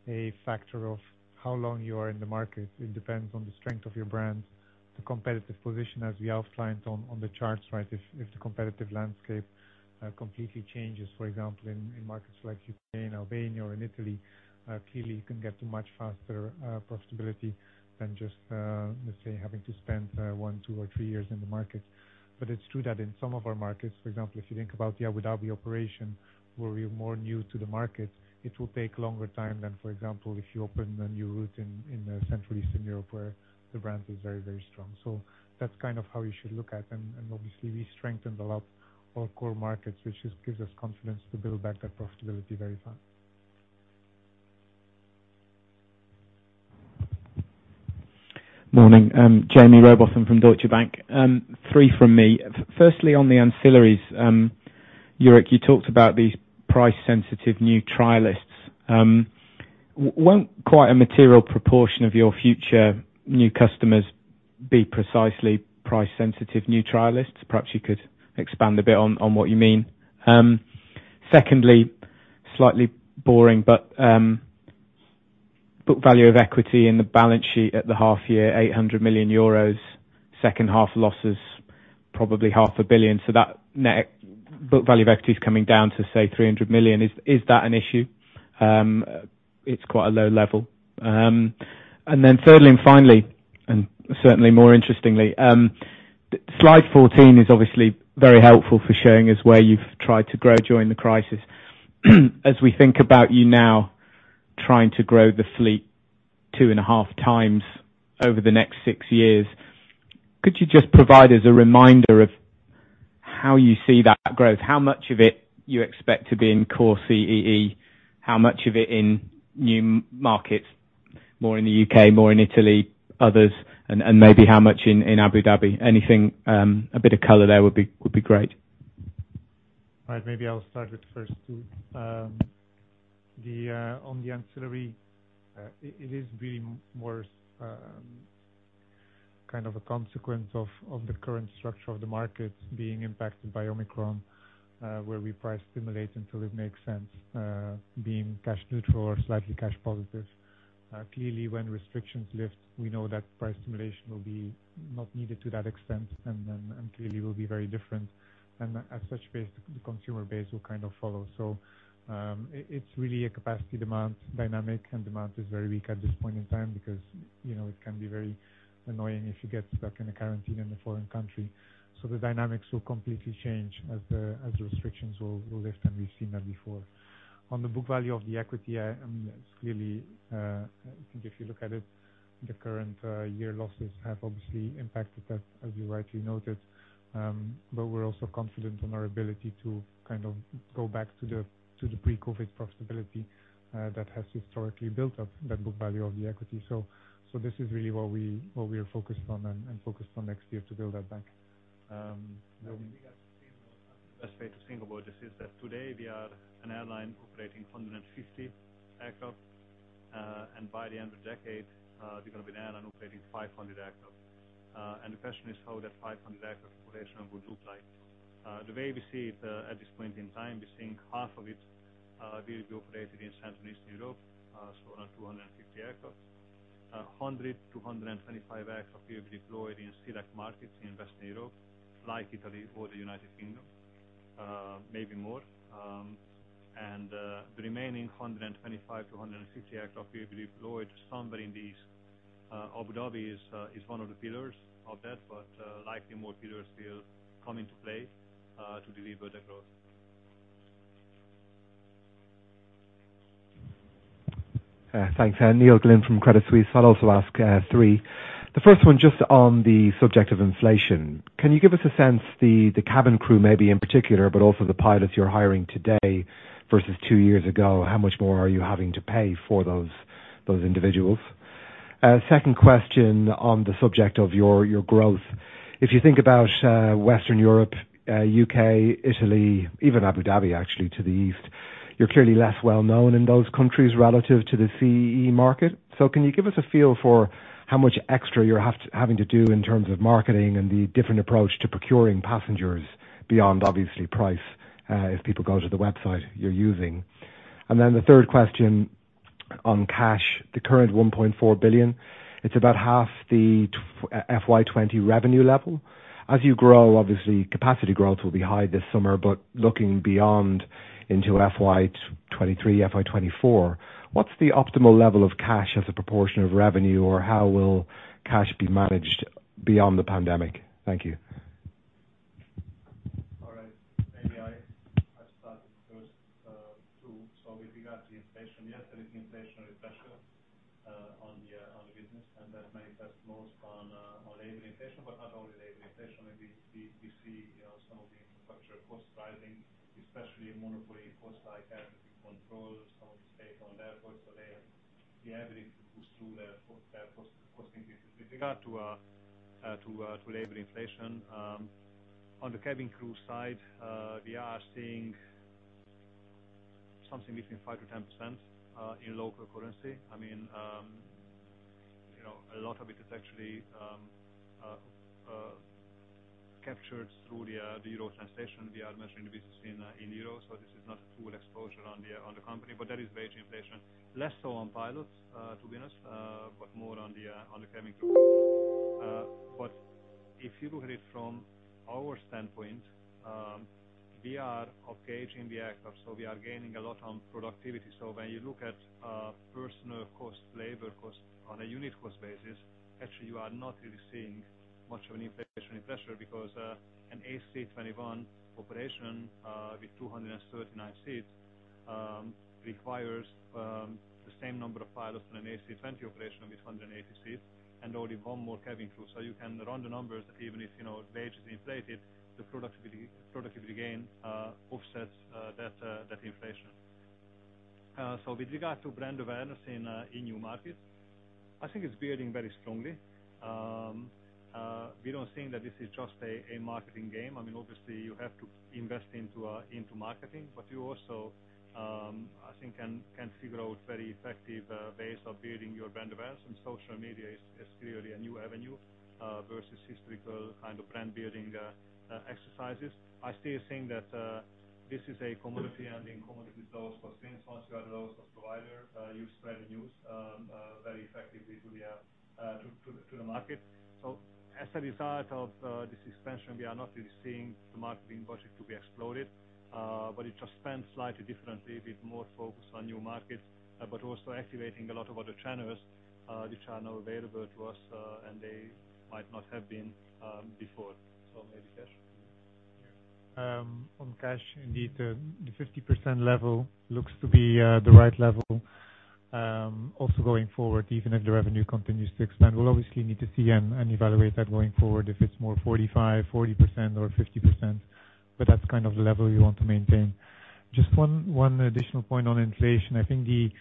a factor of how long you are in the market. It depends on the strength of your brand, the competitive position as we outlined on the charts, right? If the competitive landscape completely changes, for example, in markets like Ukraine, Albania or in Italy, clearly you can get to much faster profitability than just let's say having to spend one, two or three years in the market. It's true that in some of our markets, for example, if you think about the Abu Dhabi operation where we are more new to the market, it'll take longer time than, for example, if you open a new route in Central Eastern Europe where the brand is very, very strong. That's kind of how you should look at them. Obviously we strengthened a lot our core markets, which gives us confidence to build back that profitability very fast. Morning, Jaime Rowbotham from Deutsche Bank. Three from me. Firstly on the ancillaries, Jourik, you talked about these price-sensitive new travelers. Won't quite a material proportion of your future new customers be precisely price sensitive new trialists? Perhaps you could expand a bit on what you mean. Secondly, slightly boring, but book value of equity in the balance sheet at the half year, 800 million euros, second half losses, probably EUR half a billion. So that net book value of equity is coming down to, say, 300 million. Is that an issue? It's quite a low level. Then thirdly and finally, and certainly more interestingly, slide 14 is obviously very helpful for showing us where you've tried to grow during the crisis. As we think about you now trying to grow the fleet two and a half times over the next six years, could you just provide us a reminder of how you see that growth? How much of it you expect to be in core CEE? How much of it in new markets, more in the U.K., more in Italy, others? And maybe how much in Abu Dhabi? Anything, a bit of color there would be great. All right, maybe I'll start with first two. On the ancillary, it is really more kind of a consequence of the current structure of the markets being impacted by Omicron, where we price stimulate until it makes sense, being cash neutral or slightly cash positive. Clearly, when restrictions lift, we know that price stimulation will be not needed to that extent, and clearly will be very different. As such base, the consumer base will kind of follow. It's really a capacity demand dynamic, and demand is very weak at this point in time because, you know, it can be very annoying if you get stuck in a quarantine in a foreign country. The dynamics will completely change as the restrictions lift, and we've seen that before. On the book value of the equity, I mean, it's clearly, I think if you look at it, the current year losses have obviously impacted that, as you rightly noted. We're also confident on our ability to kind of go back to the pre-COVID profitability that has historically built up that book value of the equity. This is really what we are focused on and focused on next year to build that back. I think the best way to think about this is that today we are an airline operating 150 aircraft, and by the end of the decade, we're gonna be an airline operating 500 aircraft. The question is how that 500 aircraft operation would look like. The way we see it, at this point in time, we're seeing half of it will be operated in Central and Eastern Europe, so around 250 aircraft. 100-125 aircraft will be deployed in select markets in Western Europe, like Italy or the United Kingdom, maybe more. The remaining 125-150 aircraft will be deployed somewhere in the East. Abu Dhabi is one of the pillars of that, but likely more pillars will come into play to deliver the growth. Neil Glynn from Credit Suisse. I'll also ask three. The first one just on the subject of inflation. Can you give us a sense, the cabin crew maybe in particular, but also the pilots you're hiring today versus two years ago, how much more are you having to pay for those individuals? Second question on the subject of your growth. If you think about Western Europe, U.K., Italy, even Abu Dhabi, actually to the east, you're clearly less well-known in those countries relative to the CEE market. So can you give us a feel for how much extra you're having to do in terms of marketing and the different approach to procuring passengers beyond obviously price, if people go to the website you're using? The third question on cash. The current 1.4 billion, it's about half the FY 2020 revenue level. As you grow, obviously capacity growth will be high this summer, but looking beyond into FY 2023, FY 2024, what's the optimal level of cash as a proportion of revenue, or how will cash be managed beyond the pandemic? Thank you. All right. Maybe I start the first two. With regard to inflation, yes, there is inflationary pressure on the business, and that manifests most on labor inflation, but not only labor inflation. We see, you know, some of the infrastructure costs rising, especially monopoly costs like air traffic control, some of the state-owned airports. They are the avenue to push through the airfare cost increases. With regard to labor inflation, on the cabin crew side, we are seeing something between 5%-10% in local currency. I mean, you know, a lot of it is actually captured through the euro translation. We are measuring the business in euros, so this is not a true exposure on the company, but that is wage inflation. Less so on pilots, to be honest, but more on the cabin crew. But if you look at it from our standpoint, we are upgauging the aircraft, so we are gaining a lot on productivity. So when you look at personnel costs, labor costs on a unit cost basis, actually you are not really seeing much of an inflationary pressure because an A321 operation with 239 seats requires the same number of pilots than an A320 operation with 180 seats and only one more cabin crew. You can run the numbers that even if, you know, wage is inflated, the productivity gain offsets that inflation. With regard to brand awareness in new markets. I think it's building very strongly. We don't think that this is just a marketing game. I mean, obviously you have to invest into marketing, but you also, I think can figure out very effective ways of building your brand awareness. Social media is clearly a new avenue versus historical kind of brand building exercises. I still think that this is a commodity and being commodity is low cost influence. You are the lowest cost provider. You spread the news very effectively to the market. As a result of this expansion, we are not really seeing the marketing budget to be exploded, but it's just spent slightly differently with more focus on new markets, but also activating a lot of other channels, which are now available to us, and they might not have been before. Maybe Cash? On cash indeed, the 50% level looks to be the right level, also going forward, even if the revenue continues to expand. We'll obviously need to see and evaluate that going forward if it's more 45% or 40% or 50%. But that's kind of the level we want to maintain. Just one additional point on inflation. I think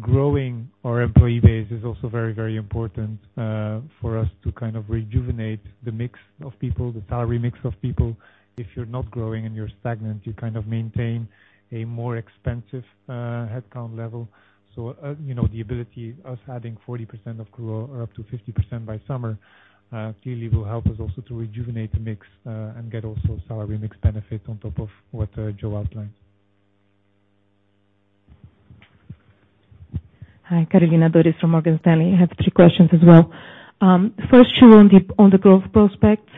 growing our employee base is also very important for us to kind of rejuvenate the mix of people, the salary mix of people. If you're not growing and you're stagnant, you kind of maintain a more expensive headcount level. you know, the ability, us adding 40% of crew or up to 50% by summer, clearly will help us also to rejuvenate the mix and get also salary mix benefit on top of what Joe outlined. Hi, Carolina Dores from Morgan Stanley. I have three questions as well. First two on the growth prospects.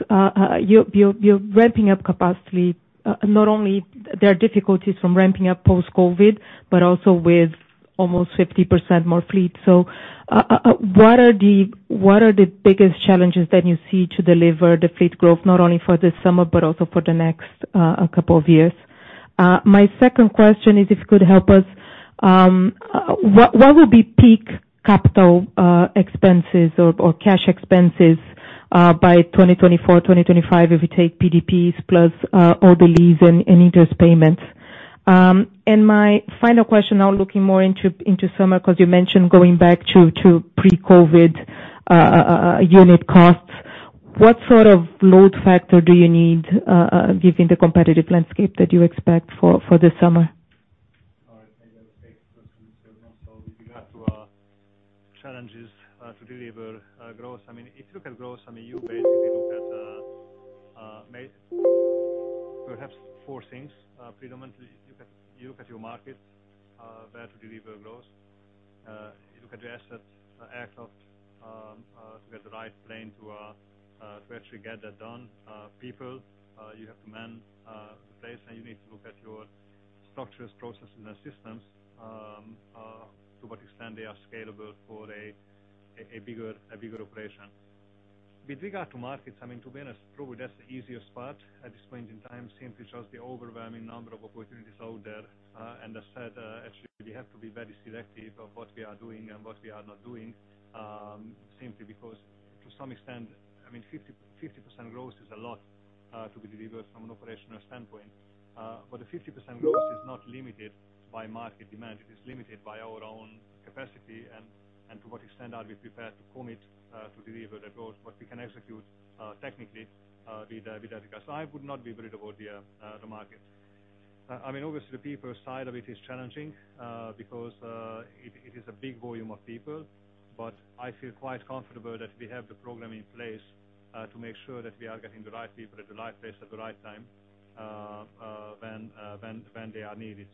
You're ramping up capacity, not only there are difficulties from ramping up post-COVID, but also with almost 50% more fleet. What are the biggest challenges that you see to deliver the fleet growth not only for this summer, but also for the next couple of years? My second question is if you could help us, what will be peak capital expenses or cash expenses by 2024, 2025 if we take PDPs plus all the lease and interest payments? My final question now looking more into summer because you mentioned going back to pre-COVID unit costs. What sort of load factor do you need, given the competitive landscape that you expect for this summer? All right. Maybe I'll take the first two. With regard to challenges to deliver growth, I mean, if you look at growth, I mean, you basically look at perhaps four things. Predominantly you look at your market where to deliver growth. You look at the assets, aircraft, to get the right plane to actually get that done. People, you have to man the planes, and you need to look at your structures, processes and systems to what extent they are scalable for a bigger operation. With regard to markets, I mean, to be honest, probably that's the easiest part at this point in time, simply just the overwhelming number of opportunities out there. As said, actually we have to be very selective of what we are doing and what we are not doing, simply because to some extent, I mean, 50% growth is a lot to be delivered from an operational standpoint. The 50% growth is not limited by market demand. It is limited by our own capacity and to what extent we are prepared to commit to deliver that growth, what we can execute, technically, with that regard. I would not be worried about the market. I mean, obviously the people side of it is challenging, because it is a big volume of people, but I feel quite comfortable that we have the program in place to make sure that we are getting the right people at the right place at the right time when they are needed.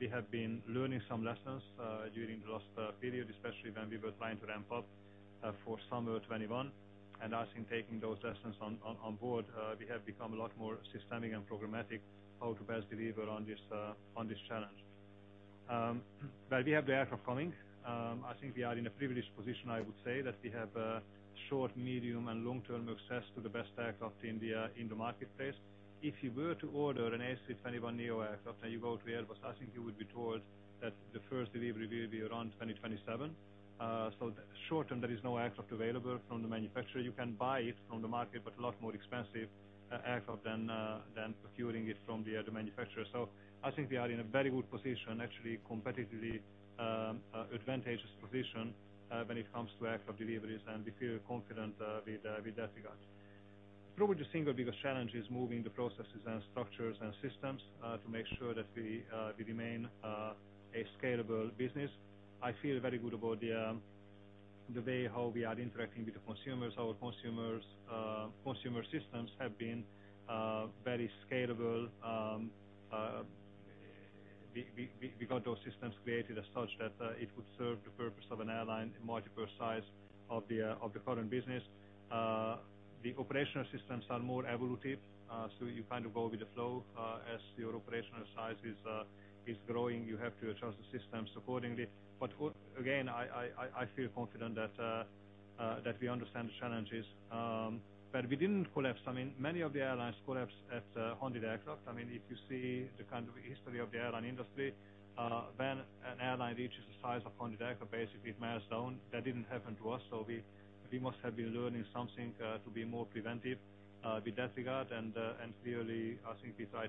We have been learning some lessons during the last period, especially when we were trying to ramp up for summer 2021. I think taking those lessons on board, we have become a lot more systematic and programmatic how to best deliver on this challenge. We have the aircraft coming. I think we are in a privileged position. I would say that we have short, medium and long-term access to the best aircraft in the marketplace. If you were to order an A321neo aircraft and you go to Airbus, I think you would be told that the first delivery will be around 2027. Short-term there is no aircraft available from the manufacturer. You can buy it from the market, but a lot more expensive aircraft than procuring it from the manufacturer. I think we are in a very good position, actually competitively advantageous position, when it comes to aircraft deliveries and we feel confident with that regard. Probably the single biggest challenge is moving the processes and structures and systems to make sure that we remain a scalable business. I feel very good about the way how we are interacting with the consumers. Our consumer systems have been very scalable. We got those systems created as such that it would serve the purpose of an airline multiple size of the current business. The operational systems are more evolutive. You kind of go with the flow as your operational size is growing. You have to adjust the systems accordingly. Again, I feel confident that we understand the challenges, but we didn't collapse. I mean, many of the airlines collapsed at 100 aircraft. I mean, if you see the kind of history of the airline industry, when an airline reaches the size of 100 aircraft, basically it's a milestone. That didn't happen to us. We must have been learning something to be more preventive with that regard. Clearly I think we try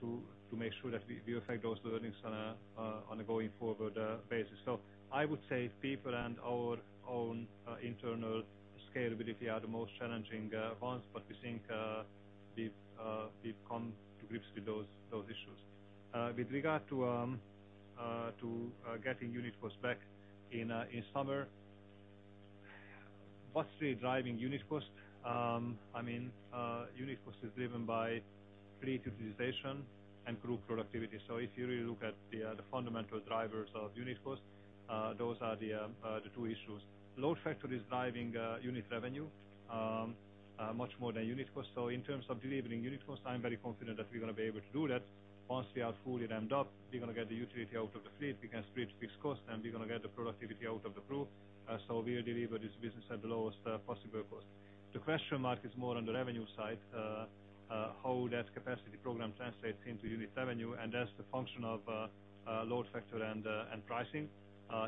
to make sure that we affect those learnings on a going forward basis. I would say people and our own internal scalability are the most challenging ones, but we think we've come to grips with those issues. With regard to getting unit costs back in summer. What's really driving unit cost? I mean, unit cost is driven by fleet utilization and group productivity. If you really look at the fundamental drivers of unit costs, those are the two issues. Load factor is driving unit revenue much more than unit cost. In terms of delivering unit cost, I'm very confident that we're gonna be able to do that. Once we are fully ramped up, we're gonna get the utility out of the fleet. We can split fixed costs, and we're gonna get the productivity out of the crew. We'll deliver this business at the lowest possible cost. The question mark is more on the revenue side, how that capacity program translates into unit revenue, and that's the function of load factor and pricing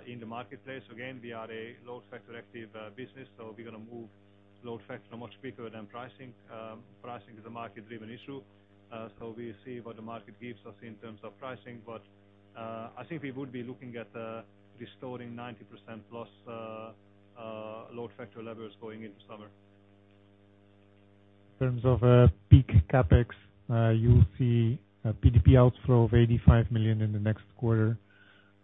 in the marketplace. Again, we are a load factor-active business, so we're gonna move load factor much quicker than pricing. Pricing is a market-driven issue, so we see what the market gives us in terms of pricing. I think we would be looking at restoring 90%+ load factor levels going into summer. In terms of peak CapEx, you'll see a PDP outflow of 85 million in the next quarter.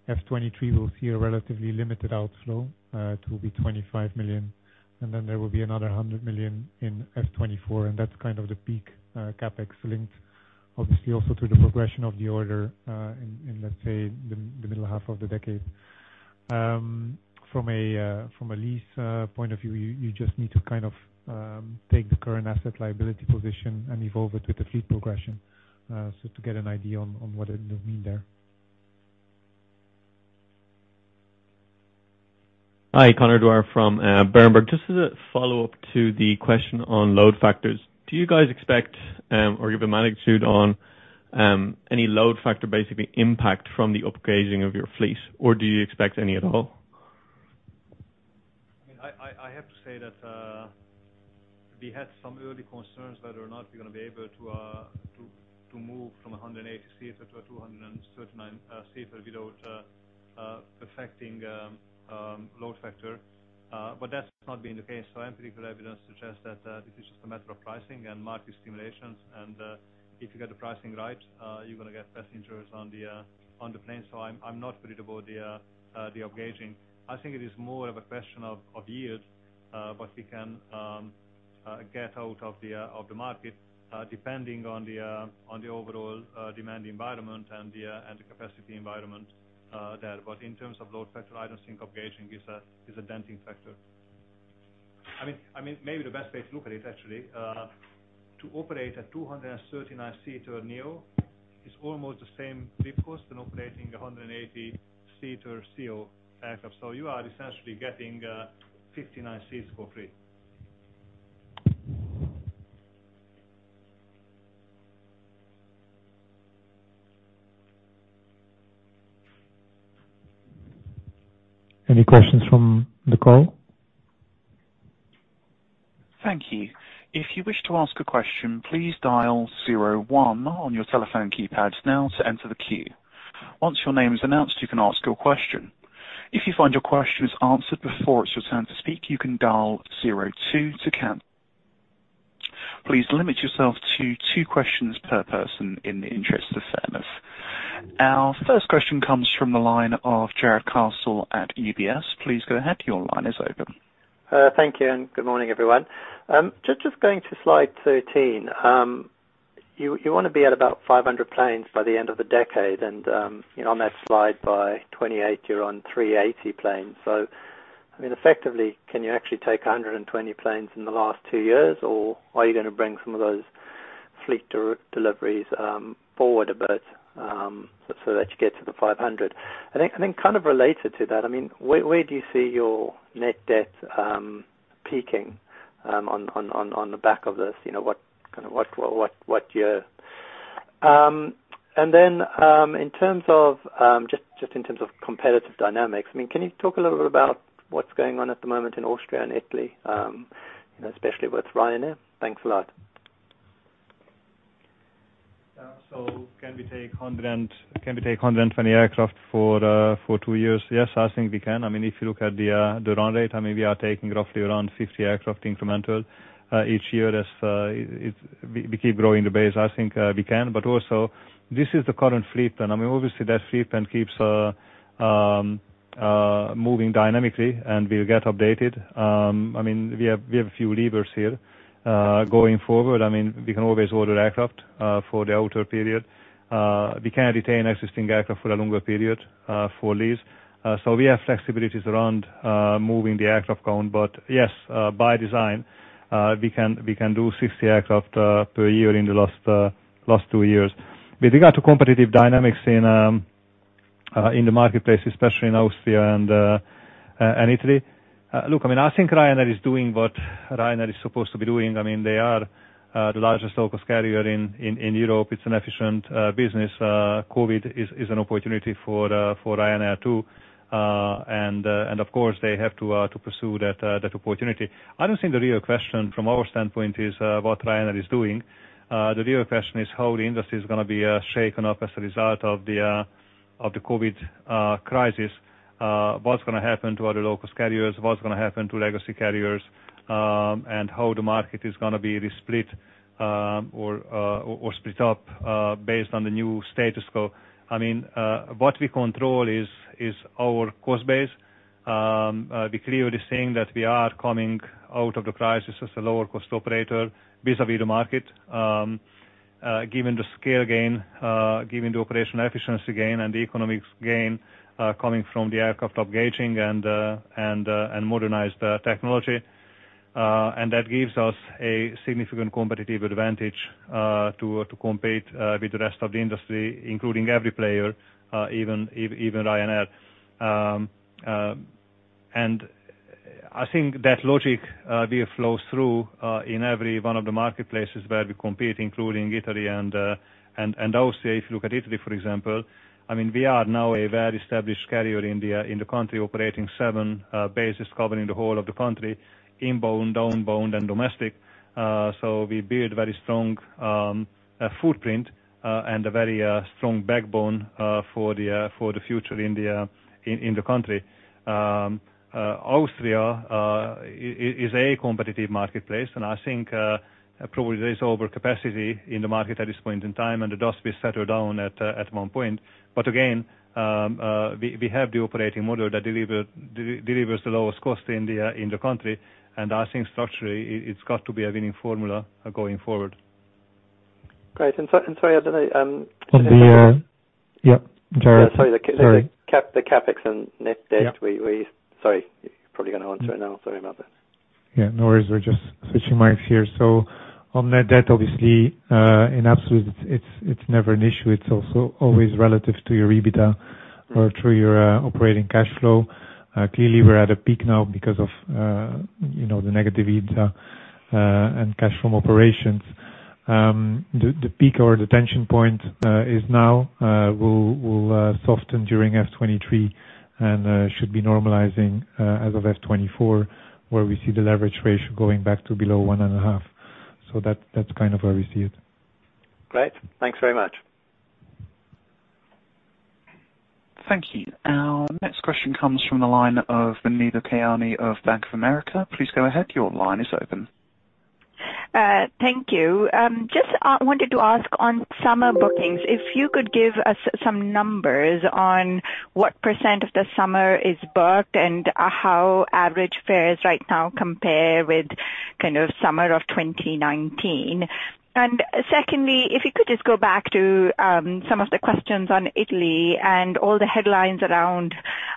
FY 2023, we'll see a relatively limited outflow to be 25 million, and then there will be another 100 million in FY 2024, and that's kind of the peak CapEx linked, obviously, also to the progression of the order in the middle half of the decade. From a lease point of view, you just need to kind of take the current asset liability position and evolve it with the fleet progression, so to get an idea on what it would mean there. Hi, Conor Dwyer from Berenberg. Just as a follow-up to the question on load factors. Do you guys expect, or give a magnitude on, any load factor basically impact from the upgauging of your fleet? Or do you expect any at all? I have to say that we had some early concerns whether or not we're gonna be able to move from a 180 seater to a 239 seater without affecting load factor. That's not been the case. Empirical evidence suggests that this is just a matter of pricing and market simulations. If you get the pricing right, you're gonna get passengers on the plane. I'm not worried about the upgauging. I think it is more of a question of yield, what we can get out of the market depending on the overall demand environment and the capacity environment there. In terms of load factor, I don't think upgauging is a denting factor. I mean, maybe the best way to look at it actually, to operate a 239-seater neo is almost the same fleet cost than operating a 180-seater CEO aircraft. You are essentially getting 59 seats for free. Any questions from the call? Thank you. If you wish to ask a question, please dial zero one on your telephone keypads now to enter the queue. Once your name is announced, you can ask your question. If you find your question is answered before it's your turn to speak, you can dial zero two to cancel. Please limit yourself to two questions per person in the interest of fairness. Our first question comes from the line of Jarrod Castle at UBS. Please go ahead. Your line is open. Thank you, and good morning, everyone. Just going to slide 13. You wanna be at about 500 planes by the end of the decade and you know, on that slide by 2028, you're on 380 planes. I mean, effectively, can you actually take 120 planes in the last two years, or are you gonna bring some of those fleet deliveries forward a bit so that you get to the 500? Kind of related to that, I mean, where do you see your net debt peaking on the back of this? You know, what kind of year? In terms of competitive dynamics, I mean, can you talk a little bit about what's going on at the moment in Austria and Italy, you know, especially with Ryanair? Thanks a lot. Can we take 120 aircraft for two years? Yes, I think we can. I mean, if you look at the run rate, I mean, we are taking roughly around 60 aircraft incremental each year as it. We keep growing the base. I think we can, but also this is the current fleet. I mean, obviously that fleet then keeps moving dynamically and will get updated. I mean, we have a few levers here. Going forward, I mean, we can always order aircraft for the outer period. We can retain existing aircraft for a longer period for lease. We have flexibilities around moving the aircraft count. Yes, by design, we can do 60 aircraft per year in the last two years. With regard to competitive dynamics in the marketplace, especially in Austria and Italy. Look, I mean, I think Ryanair is doing what Ryanair is supposed to be doing. I mean, they are the largest low-cost carrier in Europe. It's an efficient business. COVID is an opportunity for Ryanair, too. Of course, they have to pursue that opportunity. I don't think the real question from our standpoint is what Ryanair is doing. The real question is how the industry is gonna be shaken up as a result of the COVID crisis. What's gonna happen to other low-cost carriers? What's gonna happen to legacy carriers? How the market is gonna be resplit, or split up, based on the new status quo. I mean, what we control is our cost base. We're clearly seeing that we are coming out of the crisis as a lower cost operator vis-à-vis the market, given the scale gain, given the operational efficiency gain and the economics gain, coming from the aircraft upgauging and modernized technology. That gives us a significant competitive advantage to compete with the rest of the industry, including every player, even Ryanair. I think that logic will flow through in every one of the marketplaces where we compete, including Italy and Austria. If you look at Italy, for example, I mean, we are now a very established carrier in the country, operating seven bases covering the whole of the country, inbound, outbound, and domestic. We build very strong footprint and a very strong backbone for the future in the country. Austria is a competitive marketplace, and I think probably there is overcapacity in the market at this point in time, and the dust will settle down at one point. Again, we have the operating model that delivers the lowest cost in the country. I think structurally, it's got to be a winning formula going forward. Great. Sorry, I don't know. Yep. Go ahead. Sorry. Yeah, sorry. The CapEx and net debt. Yeah. Sorry, you're probably gonna answer it now. Sorry about that. Yeah, no worries. We're just switching mics here. On net debt, obviously, in absolute, it's never an issue. It's also always relative to your EBITDA or through your operating cash flow. Clearly we're at a peak now because of you know, the negative EBITDA and cash from operations. The peak or the tension point is now will soften during FY 2023, and should be normalizing as of FY 2024, where we see the leverage ratio going back to below 1.5. That, that's kind of where we see it. Great. Thanks very much. Thank you. Our next question comes from the line of Muneeba Kayani of Bank of America. Please go ahead. Your line is open. Thank you. Just wanted to ask on summer bookings, if you could give us some numbers on what % of the summer is booked and how average fares right now compare with kind of summer of 2019. Secondly, if you could just go back to some of the questions on Italy and all the headlines around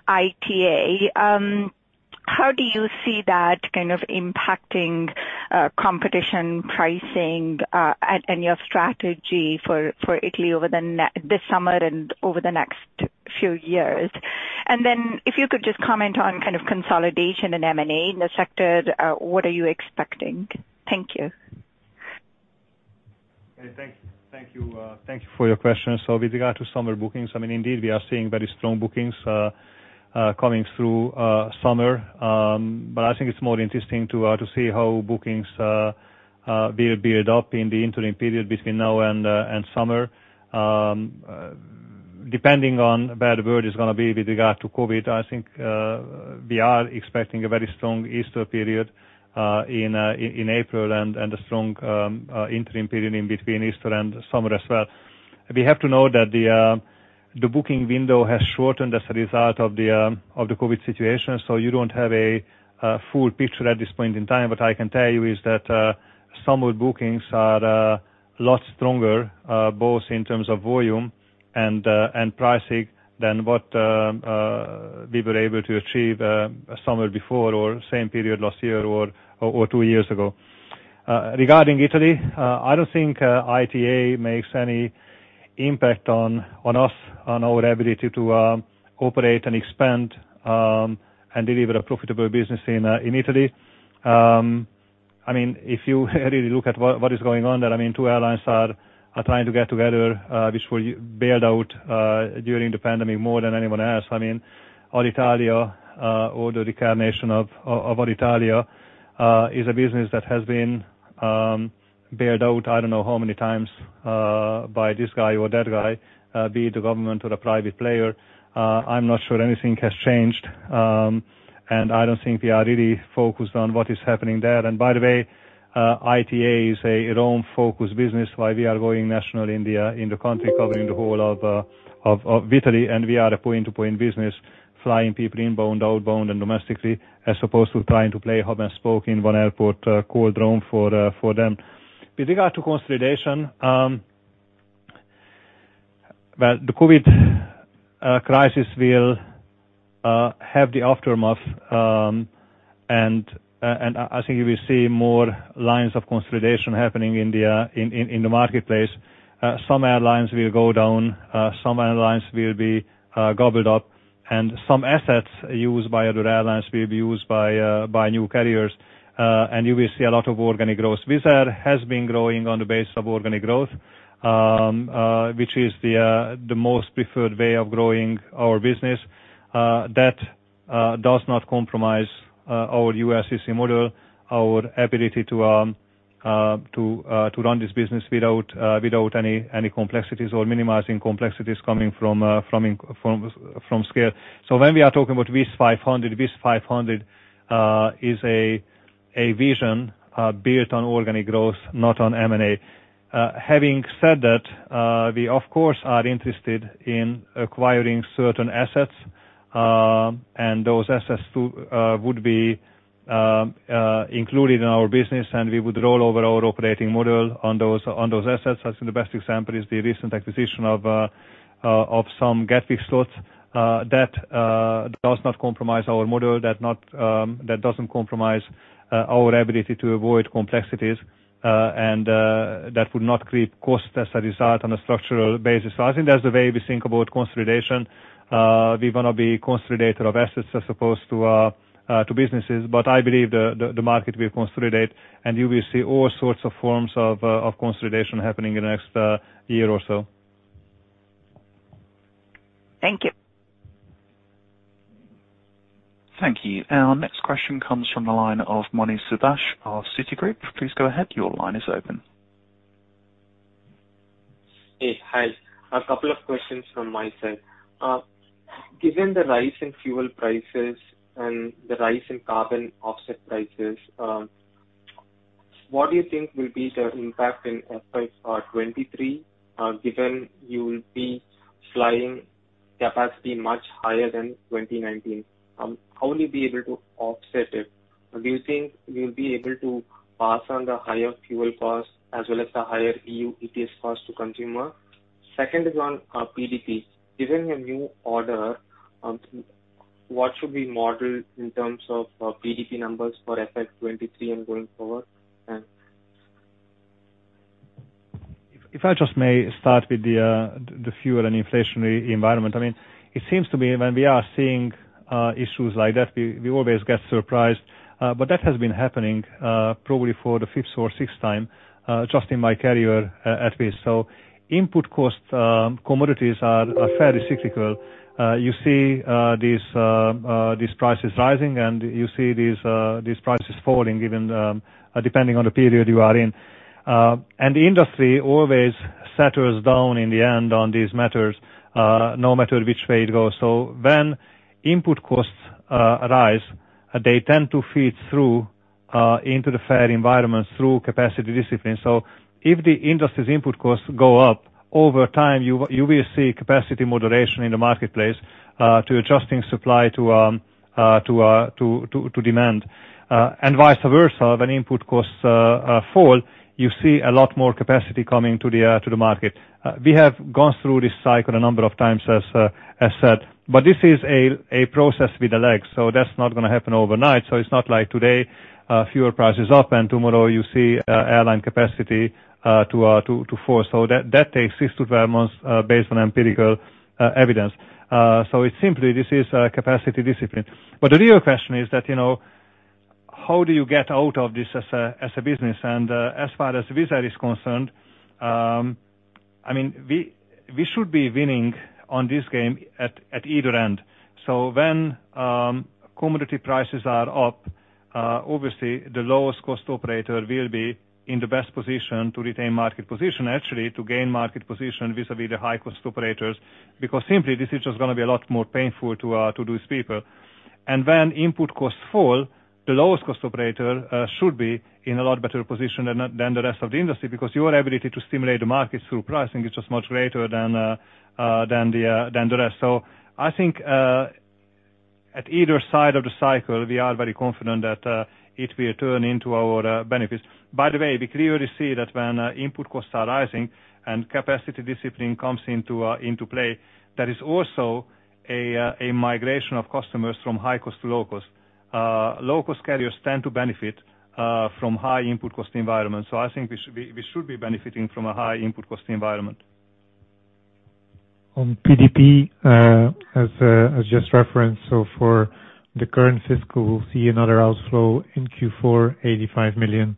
ITA. How do you see that kind of impacting competition, pricing, and your strategy for Italy over this summer and over the next few years? Then if you could just comment on kind of consolidation and M&A in the sector, what are you expecting? Thank you. Okay. Thank you for your question. With regard to summer bookings, I mean, indeed we are seeing very strong bookings coming through summer. I think it's more interesting to see how bookings will build up in the interim period between now and summer. Depending on where the world is gonna be with regard to COVID, I think we are expecting a very strong Easter period in April and a strong interim period in between Easter and summer as well. We have to know that the booking window has shortened as a result of the COVID situation, so you don't have a full picture at this point in time. What I can tell you is that summer bookings are lots stronger both in terms of volume and pricing than what we were able to achieve summer before or same period last year or two years ago. Regarding Italy, I don't think ITA makes any impact on us, on our ability to operate and expand and deliver a profitable business in Italy. I mean, if you really look at what is going on there, I mean, two airlines are trying to get together, which were bailed out during the pandemic more than anyone else. I mean, Alitalia, or the reincarnation of Alitalia, is a business that has been bailed out I don't know how many times, by this guy or that guy, be it the government or the private player. I'm not sure anything has changed. I don't think we are really focused on what is happening there. By the way, ITA is a Rome-focused business, while we are going national in the country covering the whole of Italy, and we are a point-to-point business, flying people inbound, outbound, and domestically, as opposed to trying to play hub and spoke in one airport called Rome for them. With regard to consolidation, well, the COVID crisis will have the aftermath. I think if you see more lines of consolidation happening in the marketplace, some airlines will go down, some airlines will be gobbled up, and some assets used by other airlines will be used by new carriers. You will see a lot of organic growth. Wizz Air has been growing on the base of organic growth, which is the most preferred way of growing our business. That does not compromise our ULCC model, our ability to run this business without any complexities or minimizing complexities coming from scale. When we are talking about Wizz 500, it is a vision built on organic growth, not on M&A. Having said that, we of course are interested in acquiring certain assets, and those assets too would be included in our business, and we would roll over our operating model on those assets. As in, the best example is the recent acquisition of some Gatwick slots that does not compromise our model. That doesn't compromise our ability to avoid complexities, and that would not create costs as a result on a structural basis. I think that's the way we think about consolidation. We wanna be consolidator of assets as opposed to businesses, but I believe the market will consolidate, and you will see all sorts of forms of consolidation happening in the next year or so. Thank you. Thank you. Our next question comes from the line of Sathish Sivakumar of Citigroup. Please go ahead. Your line is open. Hey. Hi. A couple of questions from my side. Given the rise in fuel prices and the rise in carbon offset prices, what do you think will be the impact in FY 2023, given you will be flying capacity much higher than 2019? How will you be able to offset it? Do you think you'll be able to pass on the higher fuel costs as well as the higher EU ETS costs to consumer? Second is on PDP. Given the new order, what should we model in terms of PDP numbers for FY 2023 and going forward? If I just may start with the fuel and inflationary environment. I mean, it seems to me when we are seeing issues like that, we always get surprised, but that has been happening probably for the fifth or sixth time just in my career at Wizz. Input costs, commodities are fairly cyclical. You see these prices rising, and you see these prices falling given depending on the period you are in. The industry always settles down in the end on these matters, no matter which way it goes. When input costs rise, they tend to feed through into the fare environment through capacity discipline. If the industry's input costs go up, over time, you will see capacity moderation in the marketplace by adjusting supply to demand. Vice versa. When input costs fall, you see a lot more capacity coming to the market. We have gone through this cycle a number of times, as said, but this is a process with the legs. That's not gonna happen overnight. It's not like today fuel price is up, and tomorrow you see airline capacity to fall. That takes six-12 months based on empirical evidence. It's simply a capacity discipline. The real question is, you know, how do you get out of this as a business? As far as Wizz Air is concerned, I mean, we should be winning on this game at either end. When commodity prices are up, obviously the lowest cost operator will be in the best position to retain market position, actually to gain market position vis-à-vis the high cost operators, because simply this is just gonna be a lot more painful to those people. When input costs fall, the lowest cost operator should be in a lot better position than the rest of the industry, because your ability to stimulate the market through pricing is just much greater than the rest. I think at either side of the cycle, we are very confident that it will turn into our benefits. By the way, we clearly see that when input costs are rising and capacity discipline comes into play, there is also a migration of customers from high cost to low cost. Low cost carriers tend to benefit from high input cost environment. I think we should be benefiting from a high input cost environment. On PDP, as just referenced, for the current fiscal, we'll see another outflow in Q4, 85 million.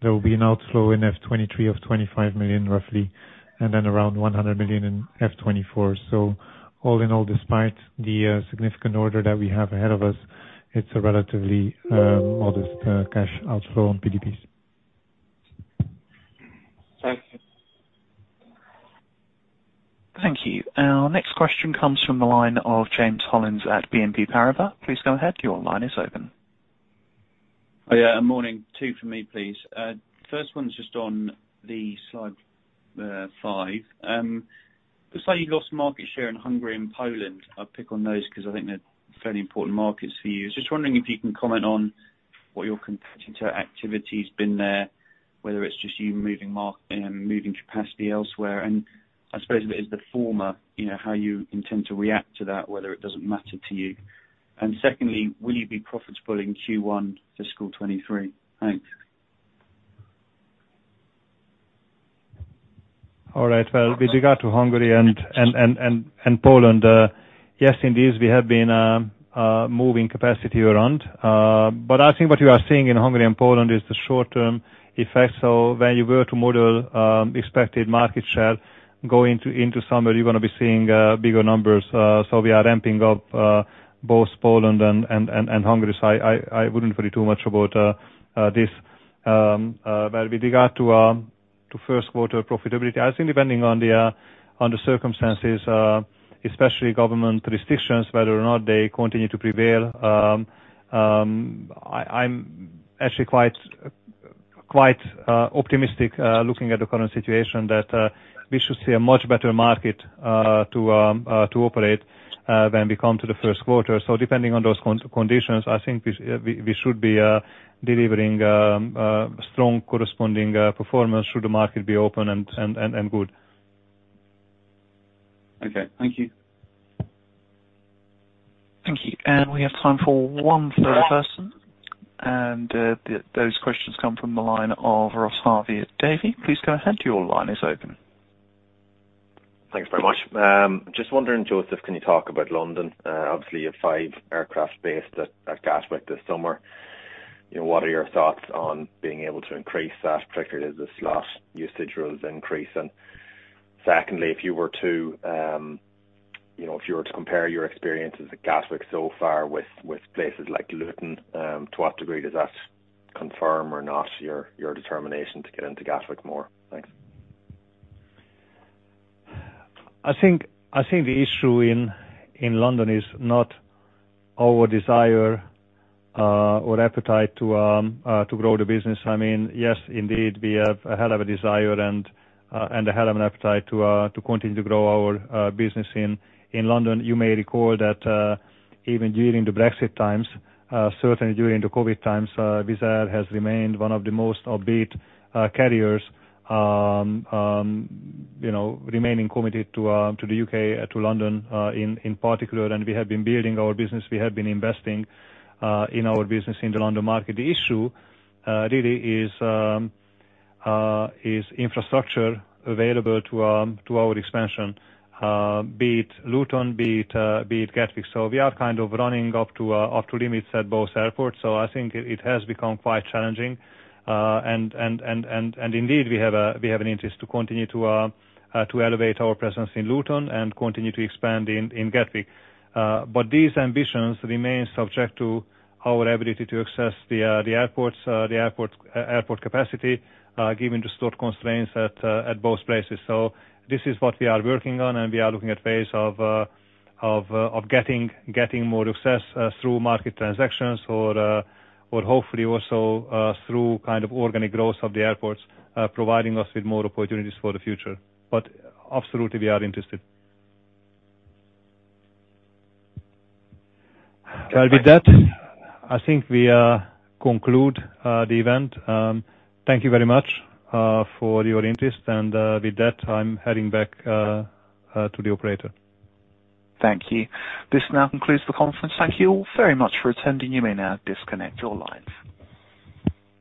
There will be an outflow in FY 2023 of 25 million roughly, and then around 100 million in FY 2024. All in all, despite the significant order that we have ahead of us, it's a relatively modest cash outflow on PDPs. Thank you. Thank you. Our next question comes from the line of James Hollins at BNP Paribas. Please go ahead. Your line is open. Oh, yeah. Morning. Two for me, please. First one's just on the slide five. Looks like you lost market share in Hungary and Poland. I pick on those 'cause I think they're fairly important markets for you. Just wondering if you can comment on what your competitor activity's been there. Whether it's just you moving capacity elsewhere. I suppose if it is the former, you know, how you intend to react to that, whether it doesn't matter to you. Secondly, will you be profitable in Q1 FY 2023? Thanks. All right. Well, with regard to Hungary and Poland, yes, indeed, we have been moving capacity around. I think what you are seeing in Hungary and Poland is the short-term effects. When you were to model expected market share going into summer, you're gonna be seeing bigger numbers. We are ramping up both Poland and Hungary. I wouldn't worry too much about this. Well, with regard to first quarter profitability, I think depending on the circumstances, especially government restrictions, whether or not they continue to prevail, I'm actually quite optimistic looking at the current situation that we should see a much better market to operate when we come to the first quarter. Depending on those conditions, I think we should be delivering strong corresponding performance should the market be open and good. Okay. Thank you. Thank you. We have time for one more person. Those questions come from the line of Ross Harvey at Davy. Please go ahead. Your line is open. Thanks very much. Just wondering, József, can you talk about London? Obviously you have five aircraft based at Gatwick this summer. You know, what are your thoughts on being able to increase that, particularly as the slot usage rules increase? Secondly, if you were to, you know, if you were to compare your experiences at Gatwick so far with places like Luton, to what degree does that confirm or not your determination to get into Gatwick more? Thanks. I think the issue in London is not our desire or appetite to grow the business. I mean, yes, indeed, we have a hell of a desire and a hell of an appetite to continue to grow our business in London. You may recall that even during the Brexit times, certainly during the COVID times, Wizz Air has remained one of the most upbeat carriers, you know, remaining committed to the U.K., to London, in particular. We have been building our business. We have been investing in our business in the London market. The issue really is infrastructure available to our expansion, be it Luton, be it Gatwick. We are kind of running up to limits at both airports. I think it has become quite challenging. Indeed, we have an interest to continue to elevate our presence in Luton and continue to expand in Gatwick. These ambitions remain subject to our ability to access the airports, the airport capacity, given the slot constraints at both places. This is what we are working on, and we are looking at ways of getting more success through market transactions or hopefully also through kind of organic growth of the airports providing us with more opportunities for the future. Absolutely, we are interested. Well, with that, I think we conclude the event. Thank you very much for your interest. With that, I'm heading back to the Operator. Thank you. This now concludes the conference. Thank you all very much for attending. You may now disconnect your lines.